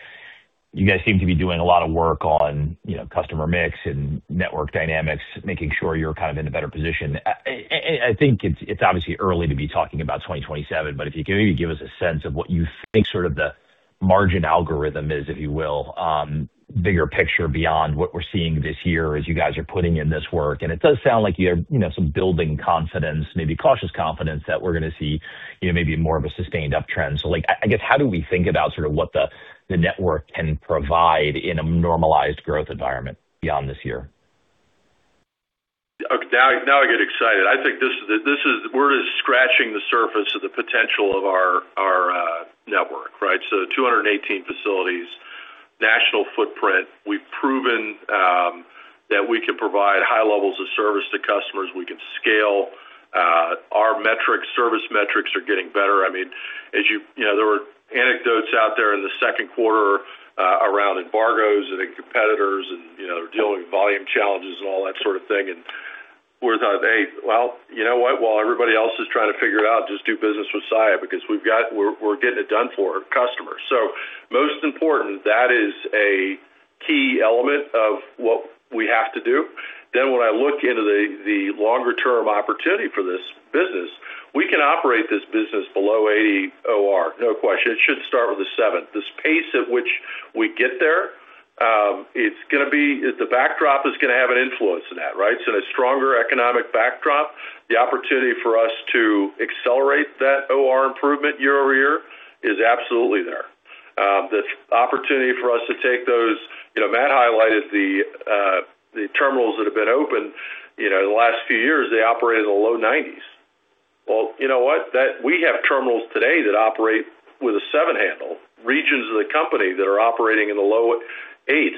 you guys seem to be doing a lot of work on customer mix and network dynamics, making sure you're kind of in a better position. I think it's obviously early to be talking about 2027, but if you could maybe give us a sense of what you think sort of the margin algorithm is, if you will, bigger picture beyond what we're seeing this year as you guys are putting in this work. It does sound like you have some building confidence, maybe cautious confidence, that we're going to see maybe more of a sustained uptrend. Like, I guess, how do we think about sort of what the network can provide in a normalized growth environment beyond this year? Okay. Now I get excited. We're just scratching the surface of the potential of our network, right? The 218 facilities, national footprint. We've proven that we can provide high levels of service to customers. We can scale. Our service metrics are getting better. There were anecdotes out there in the second quarter around embargoes and competitors, and they're dealing with volume challenges and all that sort of thing. We thought, "Hey, well, you know what? While everybody else is trying to figure it out, just do business with Saia because we're getting it done for customers." Most important, that is a key element of what we have to do. When I look into the longer-term opportunity for this business, we can operate this business below 80 OR, no question. It should start with a seven. The pace at which we get there, the backdrop is going to have an influence in that, right? In a stronger economic backdrop, the opportunity for us to accelerate that OR improvement year-over-year is absolutely there. The opportunity for us to take those Matt highlighted the terminals that have been open the last few years, they operate in the low nineties. Well, you know what? We have terminals today that operate with a seven handle, regions of the company that are operating in the low eights.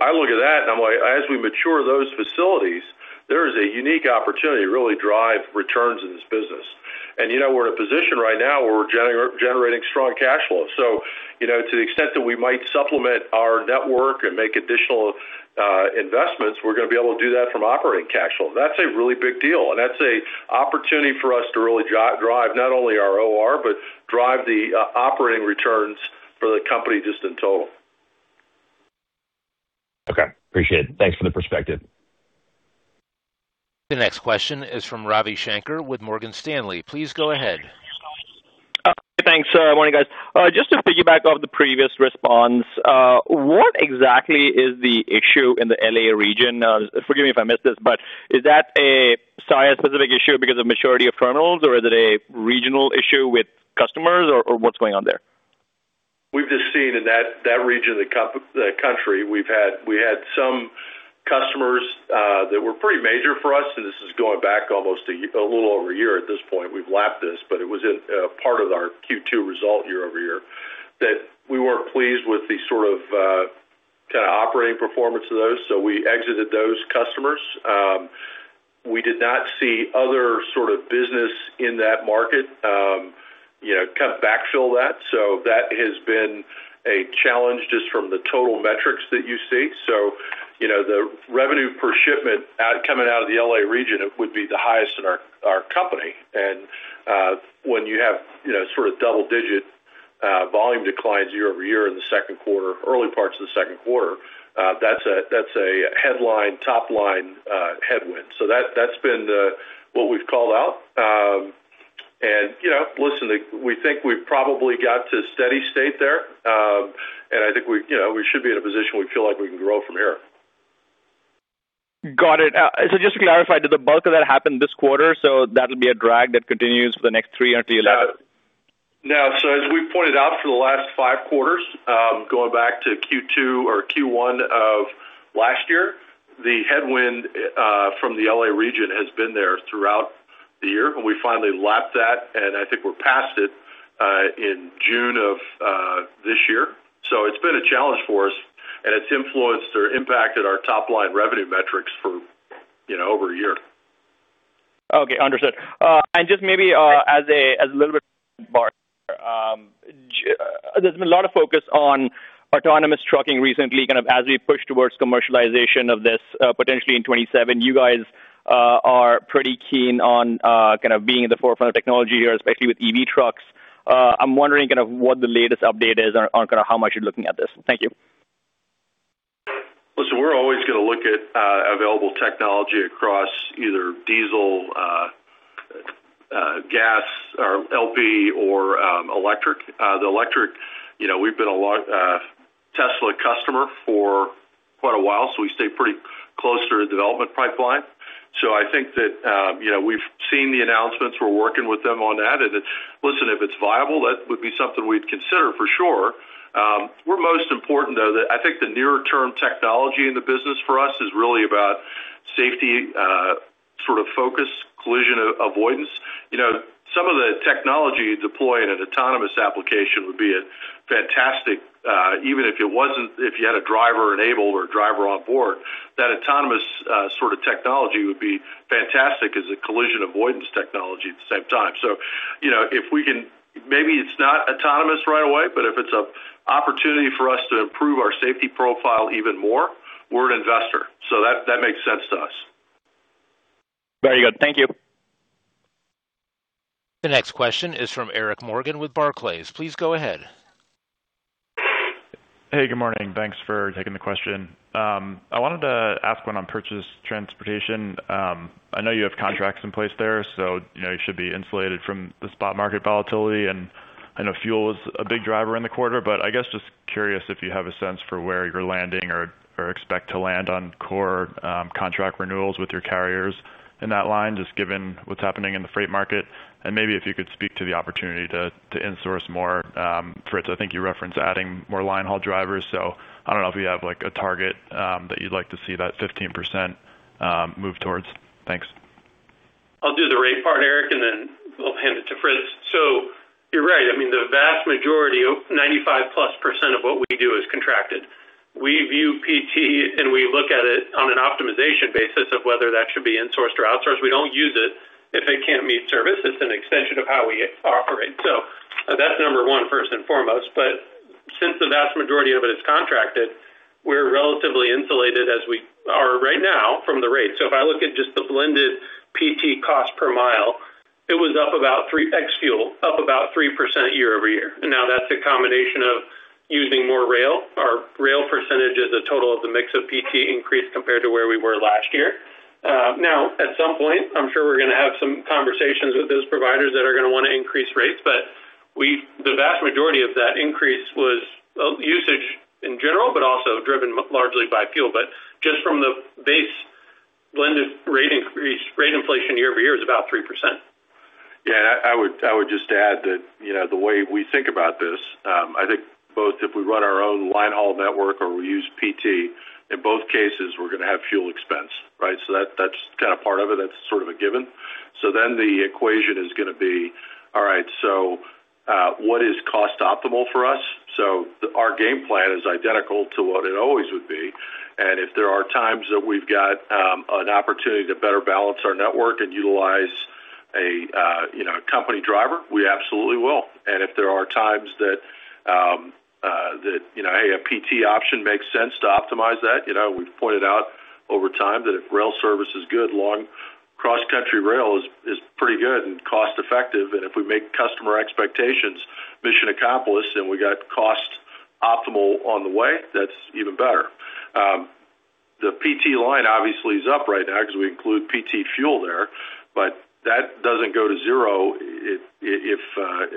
I look at that and I'm like, as we mature those facilities, there is a unique opportunity to really drive returns in this business. We're in a position right now where we're generating strong cash flow. To the extent that we might supplement our network and make additional investments, we're going to be able to do that from operating cash flow. That's a really big deal, that's an opportunity for us to really drive not only our OR, but drive the operating returns for the company just in total. Okay, appreciate it. Thanks for the perspective. The next question is from Ravi Shanker with Morgan Stanley. Please go ahead. Thanks. Good morning, guys. Just to piggyback off the previous response, what exactly is the issue in the L.A. region? Forgive me if I missed this, but is that a Saia-specific issue because of maturity of terminals, or is it a regional issue with customers, or what's going on there? We've just seen in that region of the country, we had some customers that were pretty major for us. This is going back almost a little over a year at this point. We've lapped this, it was in part of our Q2 result year-over-year that we weren't pleased with the sort of operating performance of those. We exited those customers. We did not see other sort of business in that market, kind of backfill that. That has been a challenge just from the total metrics that you see. The revenue per shipment coming out of the L.A. region would be the highest in our company. When you have double-digit volume declines year-over-year in the second quarter, early parts of the second quarter, that's a headline, top-line headwind. That's been what we've called out. Listen, we think we probably got to steady state there. I think we should be in a position we feel like we can grow from here. Got it. Just to clarify, did the bulk of that happen this quarter, so that'll be a drag that continues for the next three until you lap? No. As we pointed out for the last five quarters, going back to Q2 or Q1 of last year, the headwind from the L.A. region has been there throughout the year, and we finally lapped that, and I think we're past it in June of this year. It's been a challenge for us, and it's influenced or impacted our top-line revenue metrics for over a year. Okay, understood. Just maybe as a little bit broader, there's been a lot of focus on autonomous trucking recently, kind of as we push towards commercialization of this potentially in 2027. You guys are pretty keen on being in the forefront of technology here, especially with EV trucks. I'm wondering kind of what the latest update is on how much you're looking at this. Thank you. Listen, we're always going to look at available technology across either diesel, gas, or LP, or electric. The electric, we've been a Tesla customer for quite a while, so we stay pretty close to their development pipeline. I think that we've seen the announcements. We're working with them on that. Listen, if it's viable, that would be something we'd consider for sure. More important, though, I think the nearer term technology in the business for us is really about safety, sort of focus, collision avoidance. Some of the technology deployed in an autonomous application would be fantastic. Even if you had a driver enabled or driver on board, that autonomous sort of technology would be fantastic as a collision avoidance technology at the same time. Maybe it's not autonomous right away, but if it's an opportunity for us to improve our safety profile even more, we're an investor. That makes sense to us. Very good. Thank you. The next question is from Eric Morgan with Barclays. Please go ahead. Hey, good morning. Thanks for taking the question. I wanted to ask one on purchase transportation. I know you have contracts in place there, so you should be insulated from the spot market volatility, and I know fuel is a big driver in the quarter, but I guess just curious if you have a sense for where you're landing or expect to land on core contract renewals with your carriers in that line, just given what's happening in the freight market. And maybe if you could speak to the opportunity to insource more. Fritz, I think you referenced adding more linehaul drivers. I don't know if you have a target that you'd like to see that 15% move towards. Thanks. I'll do the rate part, Eric, and then we'll hand it to Fritz. You're right. I mean, the vast majority, 95+% of what we do is contracted. We view PT, and we look at it on an optimization basis of whether that should be insourced or outsourced. We don't use it if it can't meet service. It's an extension of how we operate. That's number one, first and foremost. Since the vast majority of it is contracted, we're relatively insulated as we are right now from the rate. If I look at just the blended PT cost per mile, it was up about 3x fuel, up about 3% year-over-year. Now that's a combination of using more rail. Our rail percentage is a total of the mix of PT increase compared to where we were last year. At some point, I'm sure we're going to have some conversations with those providers that are going to want to increase rates, the vast majority of that increase was usage in general, also driven largely by fuel. Just from the base blended rate increase, rate inflation year-over-year is about 3%. I would just add that the way we think about this, I think both if we run our own linehaul network or we use PT, in both cases, we're going to have fuel expense, right? That's kind of part of it. That's sort of a given. The equation is going to be, all right, what is cost optimal for us? Our game plan is identical to what it always would be. If there are times that we've got an opportunity to better balance our network and utilize a company driver, we absolutely will. If there are times that a PT option makes sense to optimize that, we've pointed out over time that if rail service is good, long cross-country rail is pretty good and cost effective. If we make customer expectations mission accomplished, we got cost optimal on the way, that's even better. The PT line obviously is up right now because we include PT fuel there, that doesn't go to zero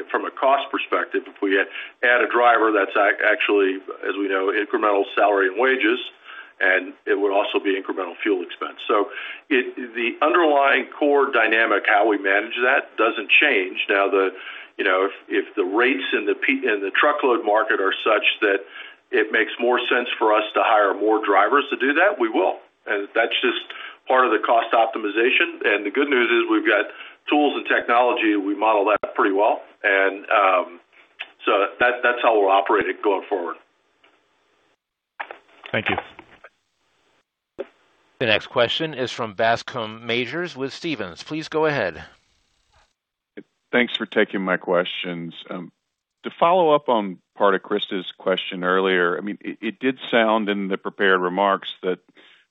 from a cost perspective. If we add a driver, that's actually, as we know, incremental salary and wages, it would also be incremental fuel expense. The underlying core dynamic, how we manage that doesn't change. If the rates in the truckload market are such that it makes more sense for us to hire more drivers to do that, we will. That's just part of the cost optimization. The good news is we've got tools and technology, we model that pretty well. That's how we'll operate it going forward. Thank you. The next question is from Bascome Majors with Stephens. Please go ahead. Thanks for taking my questions. To follow up on part of Chris's question earlier, it did sound in the prepared remarks that,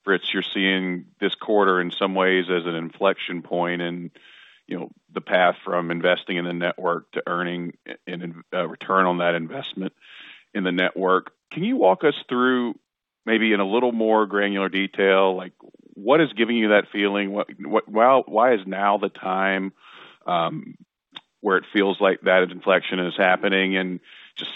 Fritz, you're seeing this quarter in some ways as an inflection point in the path from investing in the network to earning a return on that investment in the network. Can you walk us through maybe in a little more granular detail, what is giving you that feeling? Why is now the time where it feels like that inflection is happening? And just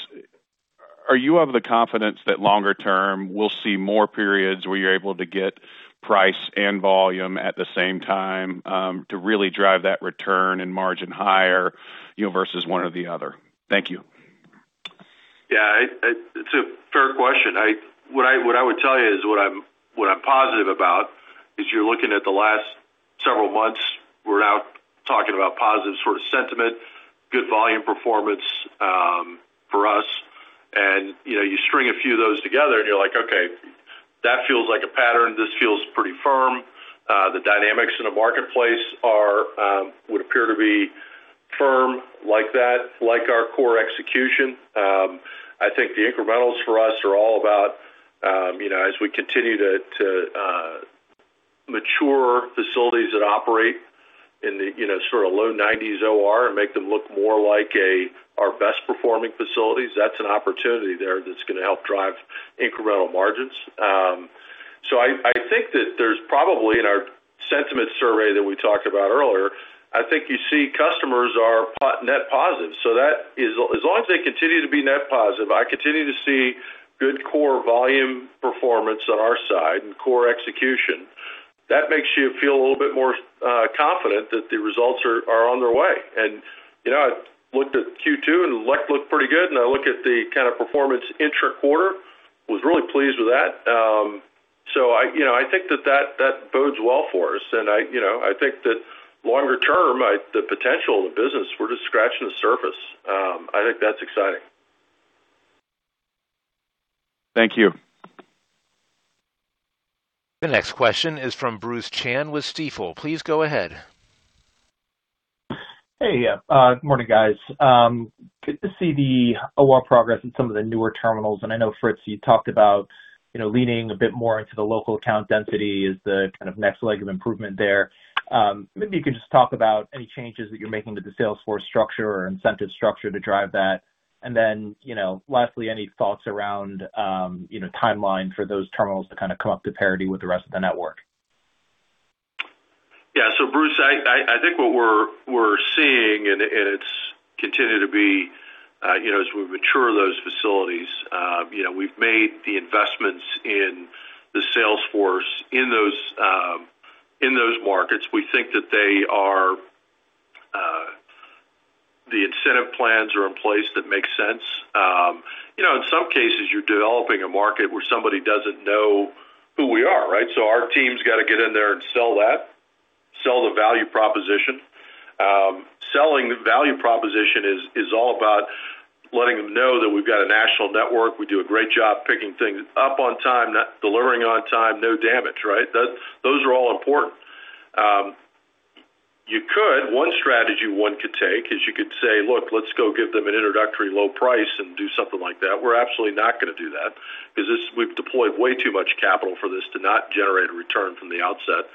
are you of the confidence that longer term, we'll see more periods where you're able to get price and volume at the same time to really drive that return and margin higher versus one or the other? Thank you. Yeah. It's a fair question. What I would tell you is what I'm positive about is you're looking at the last several months, we're out talking about positive sort of sentiment, good volume performance for us. You string a few of those together, and you're like, okay, that feels like a pattern. This feels pretty firm. The dynamics in the marketplace would appear to be firm like that, like our core execution. I think the incrementals for us are all about as we continue to mature facilities that operate in the sort of low nineties OR and make them look more like our best performing facilities. That's an opportunity there that's going to help drive incremental margins. I think that there's probably in our sentiment survey that we talked about earlier, I think you see customers are net positive. As long as they continue to be net positive, I continue to see good core volume performance on our side and core execution. That makes you feel a little bit more confident that the results are on their way. I looked at Q2 and the luck looked pretty good, and I looked at the kind of performance intra-quarter, was really pleased with that. I think that bodes well for us. I think that longer term, the potential of the business, we're just scratching the surface. I think that's exciting. Thank you. The next question is from Bruce Chan with Stifel. Please go ahead. Hey. Good morning, guys. Good to see the OR progress in some of the newer terminals. I know, Fritz, you talked about leaning a bit more into the local account density as the kind of next leg of improvement there. Maybe you could just talk about any changes that you're making to the sales force structure or incentive structure to drive that. Then lastly, any thoughts around timeline for those terminals to kind of come up to parity with the rest of the network? Yeah. Bruce, I think what we're seeing, and it's continued to be as we mature those facilities, we've made the investments in the sales force in those markets. We think that the incentive plans are in place that make sense. In some cases, you're developing a market where somebody doesn't know who we are, right? Our team's got to get in there and sell that, sell the value proposition. Selling the value proposition is all about letting them know that we've got a national network. We do a great job picking things up on time, delivering on time, no damage, right? Those are all important. One strategy one could take is you could say, "Look, let's go give them an introductory low price and do something like that." We're absolutely not going to do that because we've deployed way too much capital for this to not generate a return from the outset.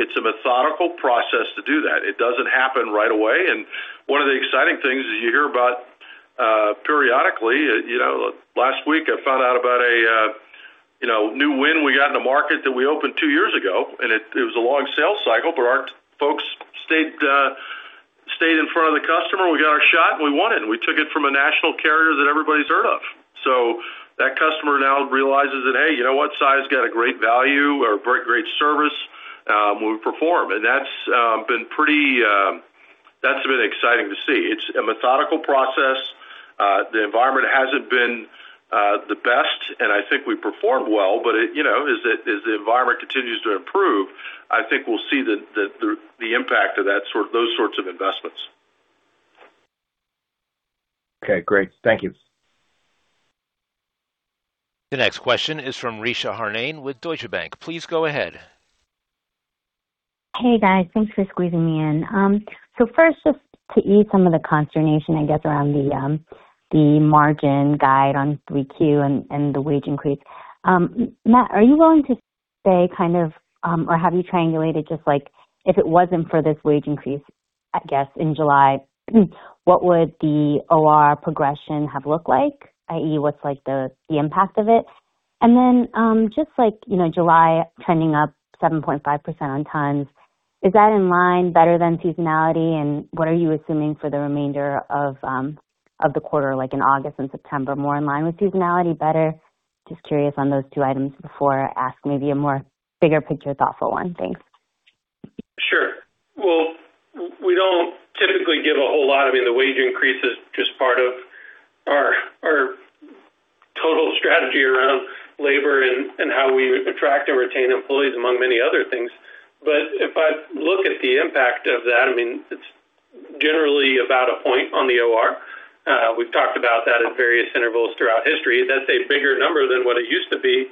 It's a methodical process to do that. It doesn't happen right away. One of the exciting things that you hear about periodically, last week I found out about a new win we got in the market that we opened two years ago. It was a long sales cycle, but our folks stayed in front of the customer. We got our shot, and we won it, and we took it from a national carrier that everybody's heard of. That customer now realizes that, hey, you know what? Saia's got a great value or great service. We perform. That's been pretty exciting to see. It's a methodical process. The environment hasn't been the best, and I think we performed well. As the environment continues to improve, I think we'll see the impact of those sorts of investments. Okay, great. Thank you. The next question is from Richa Harnain with Deutsche Bank. Please go ahead. Hey, guys. Thanks for squeezing me in. First, just to ease some of the consternation, I guess, around the margin guide on Q3 and the wage increase. Matt, are you willing to say, or have you triangulated, just like if it wasn't for this wage increase, I guess, in July, what would the OR progression have looked like, i.e., what's the impact of it? Then, just like July trending up 7.5% on tons, is that in line better than seasonality? And what are you assuming for the remainder of the quarter, like in August and September, more in line with seasonality, better? Just curious on those two items before I ask maybe a more bigger picture thoughtful one. Thanks. Sure. Well, we don't typically give a whole lot. I mean, the wage increase is just part of our total strategy around labor and how we attract and retain employees, among many other things. If I look at the impact of that, it's generally about a point on the OR. We've talked about that at various intervals throughout history. That's a bigger number than what it used to be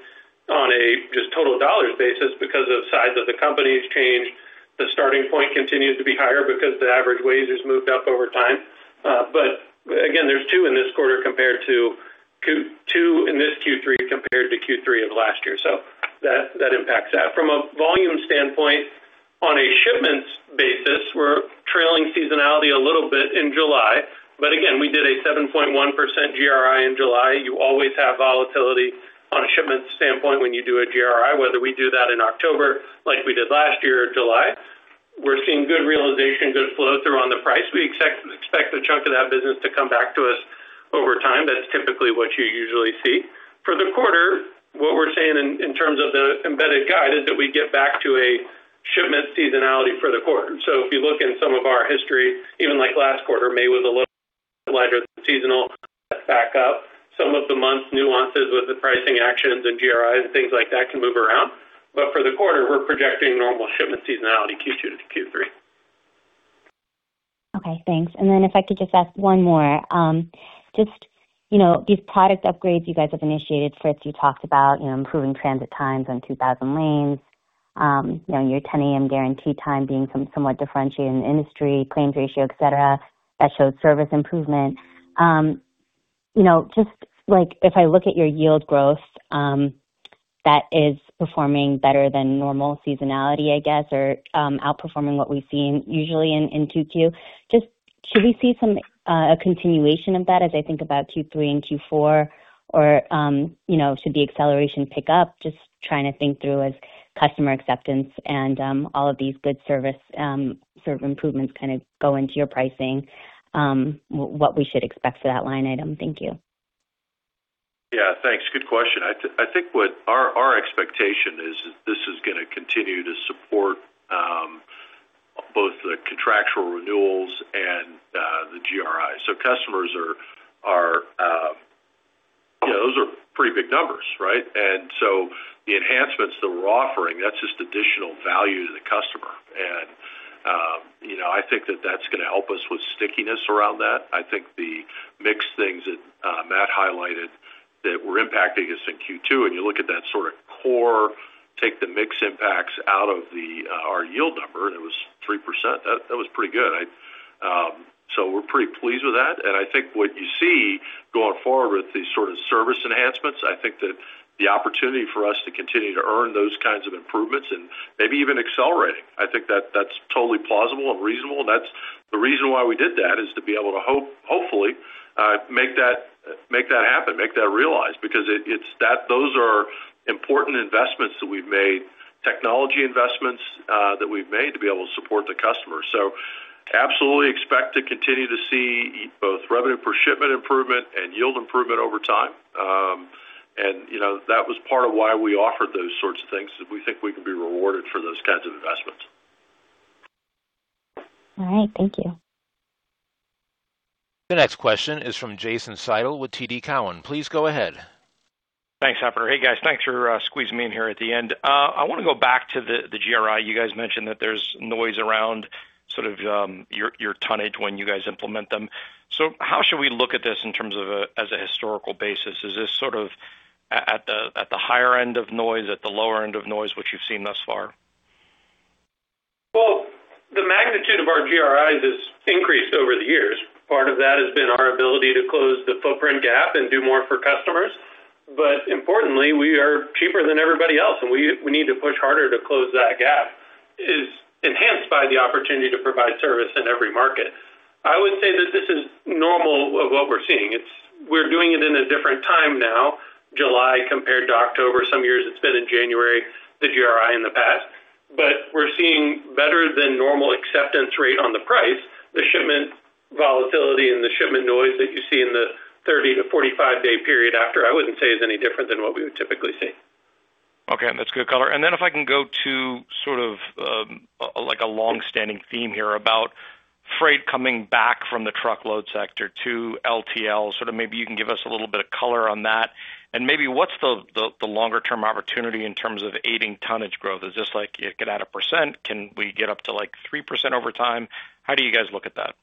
on a just total dollars basis because the size of the company has changed. The starting point continues to be higher because the average wage has moved up over time. But again, there's two in this quarter compared to two in this Q3 compared to Q3 of last year. That impacts that. From a volume standpoint, on a shipments basis, we're trailing seasonality a little bit in July. But again, we did a 7.1% GRI in July. You always have volatility on a shipment standpoint when you do a GRI, whether we do that in October like we did last year or July. We're seeing good realization, good flow through on the price. We expect a chunk of that business to come back to us over time. That's typically what you usually see. For the quarter, what we're saying in terms of the embedded guide is that we get back to a shipment seasonality for the quarter. If you look in some of our history, even like last quarter, May was a little lighter than seasonal. That's back up. Some of the month nuances with the pricing actions and GRIs and things like that can move around. For the quarter, we're projecting normal shipment seasonality, Q2 to Q3. Okay, thanks. If I could just ask one more. These product upgrades you guys have initiated. First, you talked about improving transit times on 2,000 lanes. Your 10 A.M. guarantee time being somewhat differentiated in the industry, claims ratio, et cetera, that showed service improvement. Like if I look at your yield growth, that is performing better than normal seasonality, I guess, or outperforming what we've seen usually in Q2. Should we see a continuation of that as I think about Q3 and Q4? Or should the acceleration pick up? Trying to think through as customer acceptance and all of these good service improvements kind of go into your pricing, what we should expect for that line item. Thank you. Yeah, thanks. Good question. I think what our expectation is that this is going to continue to support both the contractual renewals and the GRI. Customers are. Those are pretty big numbers, right? The enhancements that we're offering, that's just additional value to the customer. I think that that's going to help us with stickiness around that. I think the mix things that Matt highlighted that were impacting us in Q2, and you look at that sort of core, take the mix impacts out of our yield number, and it was 3%. That was pretty good. We're pretty pleased with that. I think what you see going forward with these sort of service enhancements, I think that the opportunity for us to continue to earn those kinds of improvements and maybe even accelerating. I think that's totally plausible and reasonable. The reason why we did that is to be able to hopefully make that happen, make that realized, because those are important investments that we've made, technology investments that we've made to be able to support the customer. Absolutely expect to continue to see both revenue per shipment improvement and yield improvement over time. That was part of why we offered those sorts of things, because we think we can be rewarded for those kinds of investments. All right. Thank you. The next question is from Jason Seidl with TD Cowen. Please go ahead. Thanks, operator. Hey, guys, thanks for squeezing me in here at the end. I want to go back to the GRI. You guys mentioned that there's noise around sort of your tonnage when you guys implement them. How should we look at this in terms of as a historical basis? Is this sort of at the higher end of noise, at the lower end of noise, what you've seen thus far? Well, the magnitude of our GRIs has increased over the years. Part of that has been our ability to close the footprint gap and do more for customers. Importantly, we are cheaper than everybody else, and we need to push harder to close that gap. It is enhanced by the opportunity to provide service in every market. I would say that this is normal of what we're seeing. We're doing it in a different time now, July compared to October. Some years it's been in January, the GRI in the past. We're seeing better than normal acceptance rate on the price, the shipment volatility and. You see in the 30-45-day period after, I wouldn't say is any different than what we would typically see. Okay. That's good color. If I can go to sort of like a longstanding theme here about freight coming back from the truckload sector to LTL. Maybe you can give us a little bit of color on that, and maybe what's the longer-term opportunity in terms of aiding tonnage growth? Is this like it could add 1%? Can we get up to 3% over time? How do you guys look at that?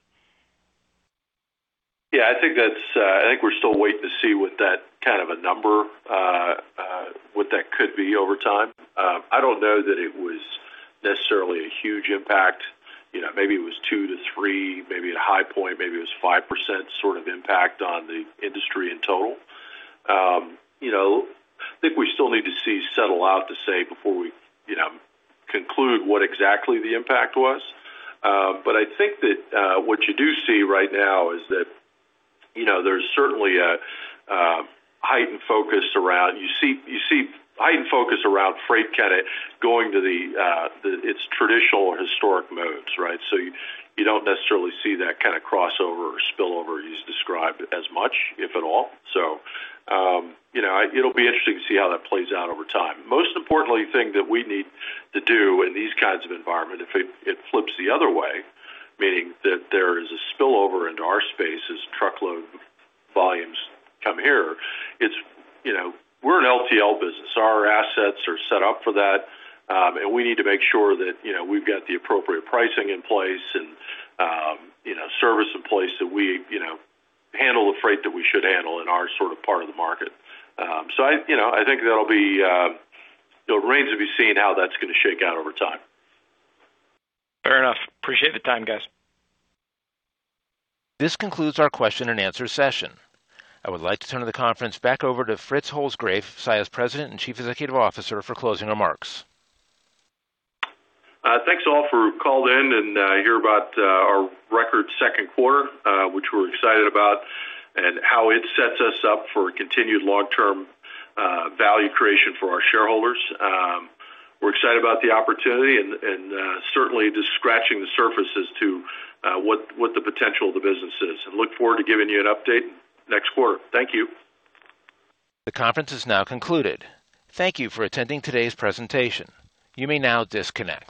Yeah, I think we're still waiting to see what that number could be over time. I don't know that it was necessarily a huge impact. Maybe it was 2%-3%. Maybe at a high point, maybe it was 5% impact on the industry in total. I think we still need to see settle out to say before we conclude what exactly the impact was. I think that what you do see right now is that there's certainly a heightened focus around freight going to its traditional historic modes, right? You don't necessarily see that kind of crossover or spillover you described as much, if at all. It'll be interesting to see how that plays out over time. Most importantly, the thing that we need to do in these kinds of environment, if it flips the other way, meaning that there is a spillover into our space as truckload volumes come here. We're an LTL business. Our assets are set up for that. We need to make sure that we've got the appropriate pricing in place and service in place that we handle the freight that we should handle in our part of the market. I think that it remains to be seen how that's going to shake out over time. Fair enough. Appreciate the time, guys. This concludes our question and answer session. I would like to turn the conference back over to Fritz Holzgrefe, Saia's President and Chief Executive Officer, for closing remarks. Thanks all for calling in and hear about our record second quarter, which we're excited about, and how it sets us up for continued long-term value creation for our shareholders. We're excited about the opportunity and certainly just scratching the surface as to what the potential of the business is, and look forward to giving you an update next quarter. Thank you. The conference is now concluded. Thank you for attending today's presentation. You may now disconnect.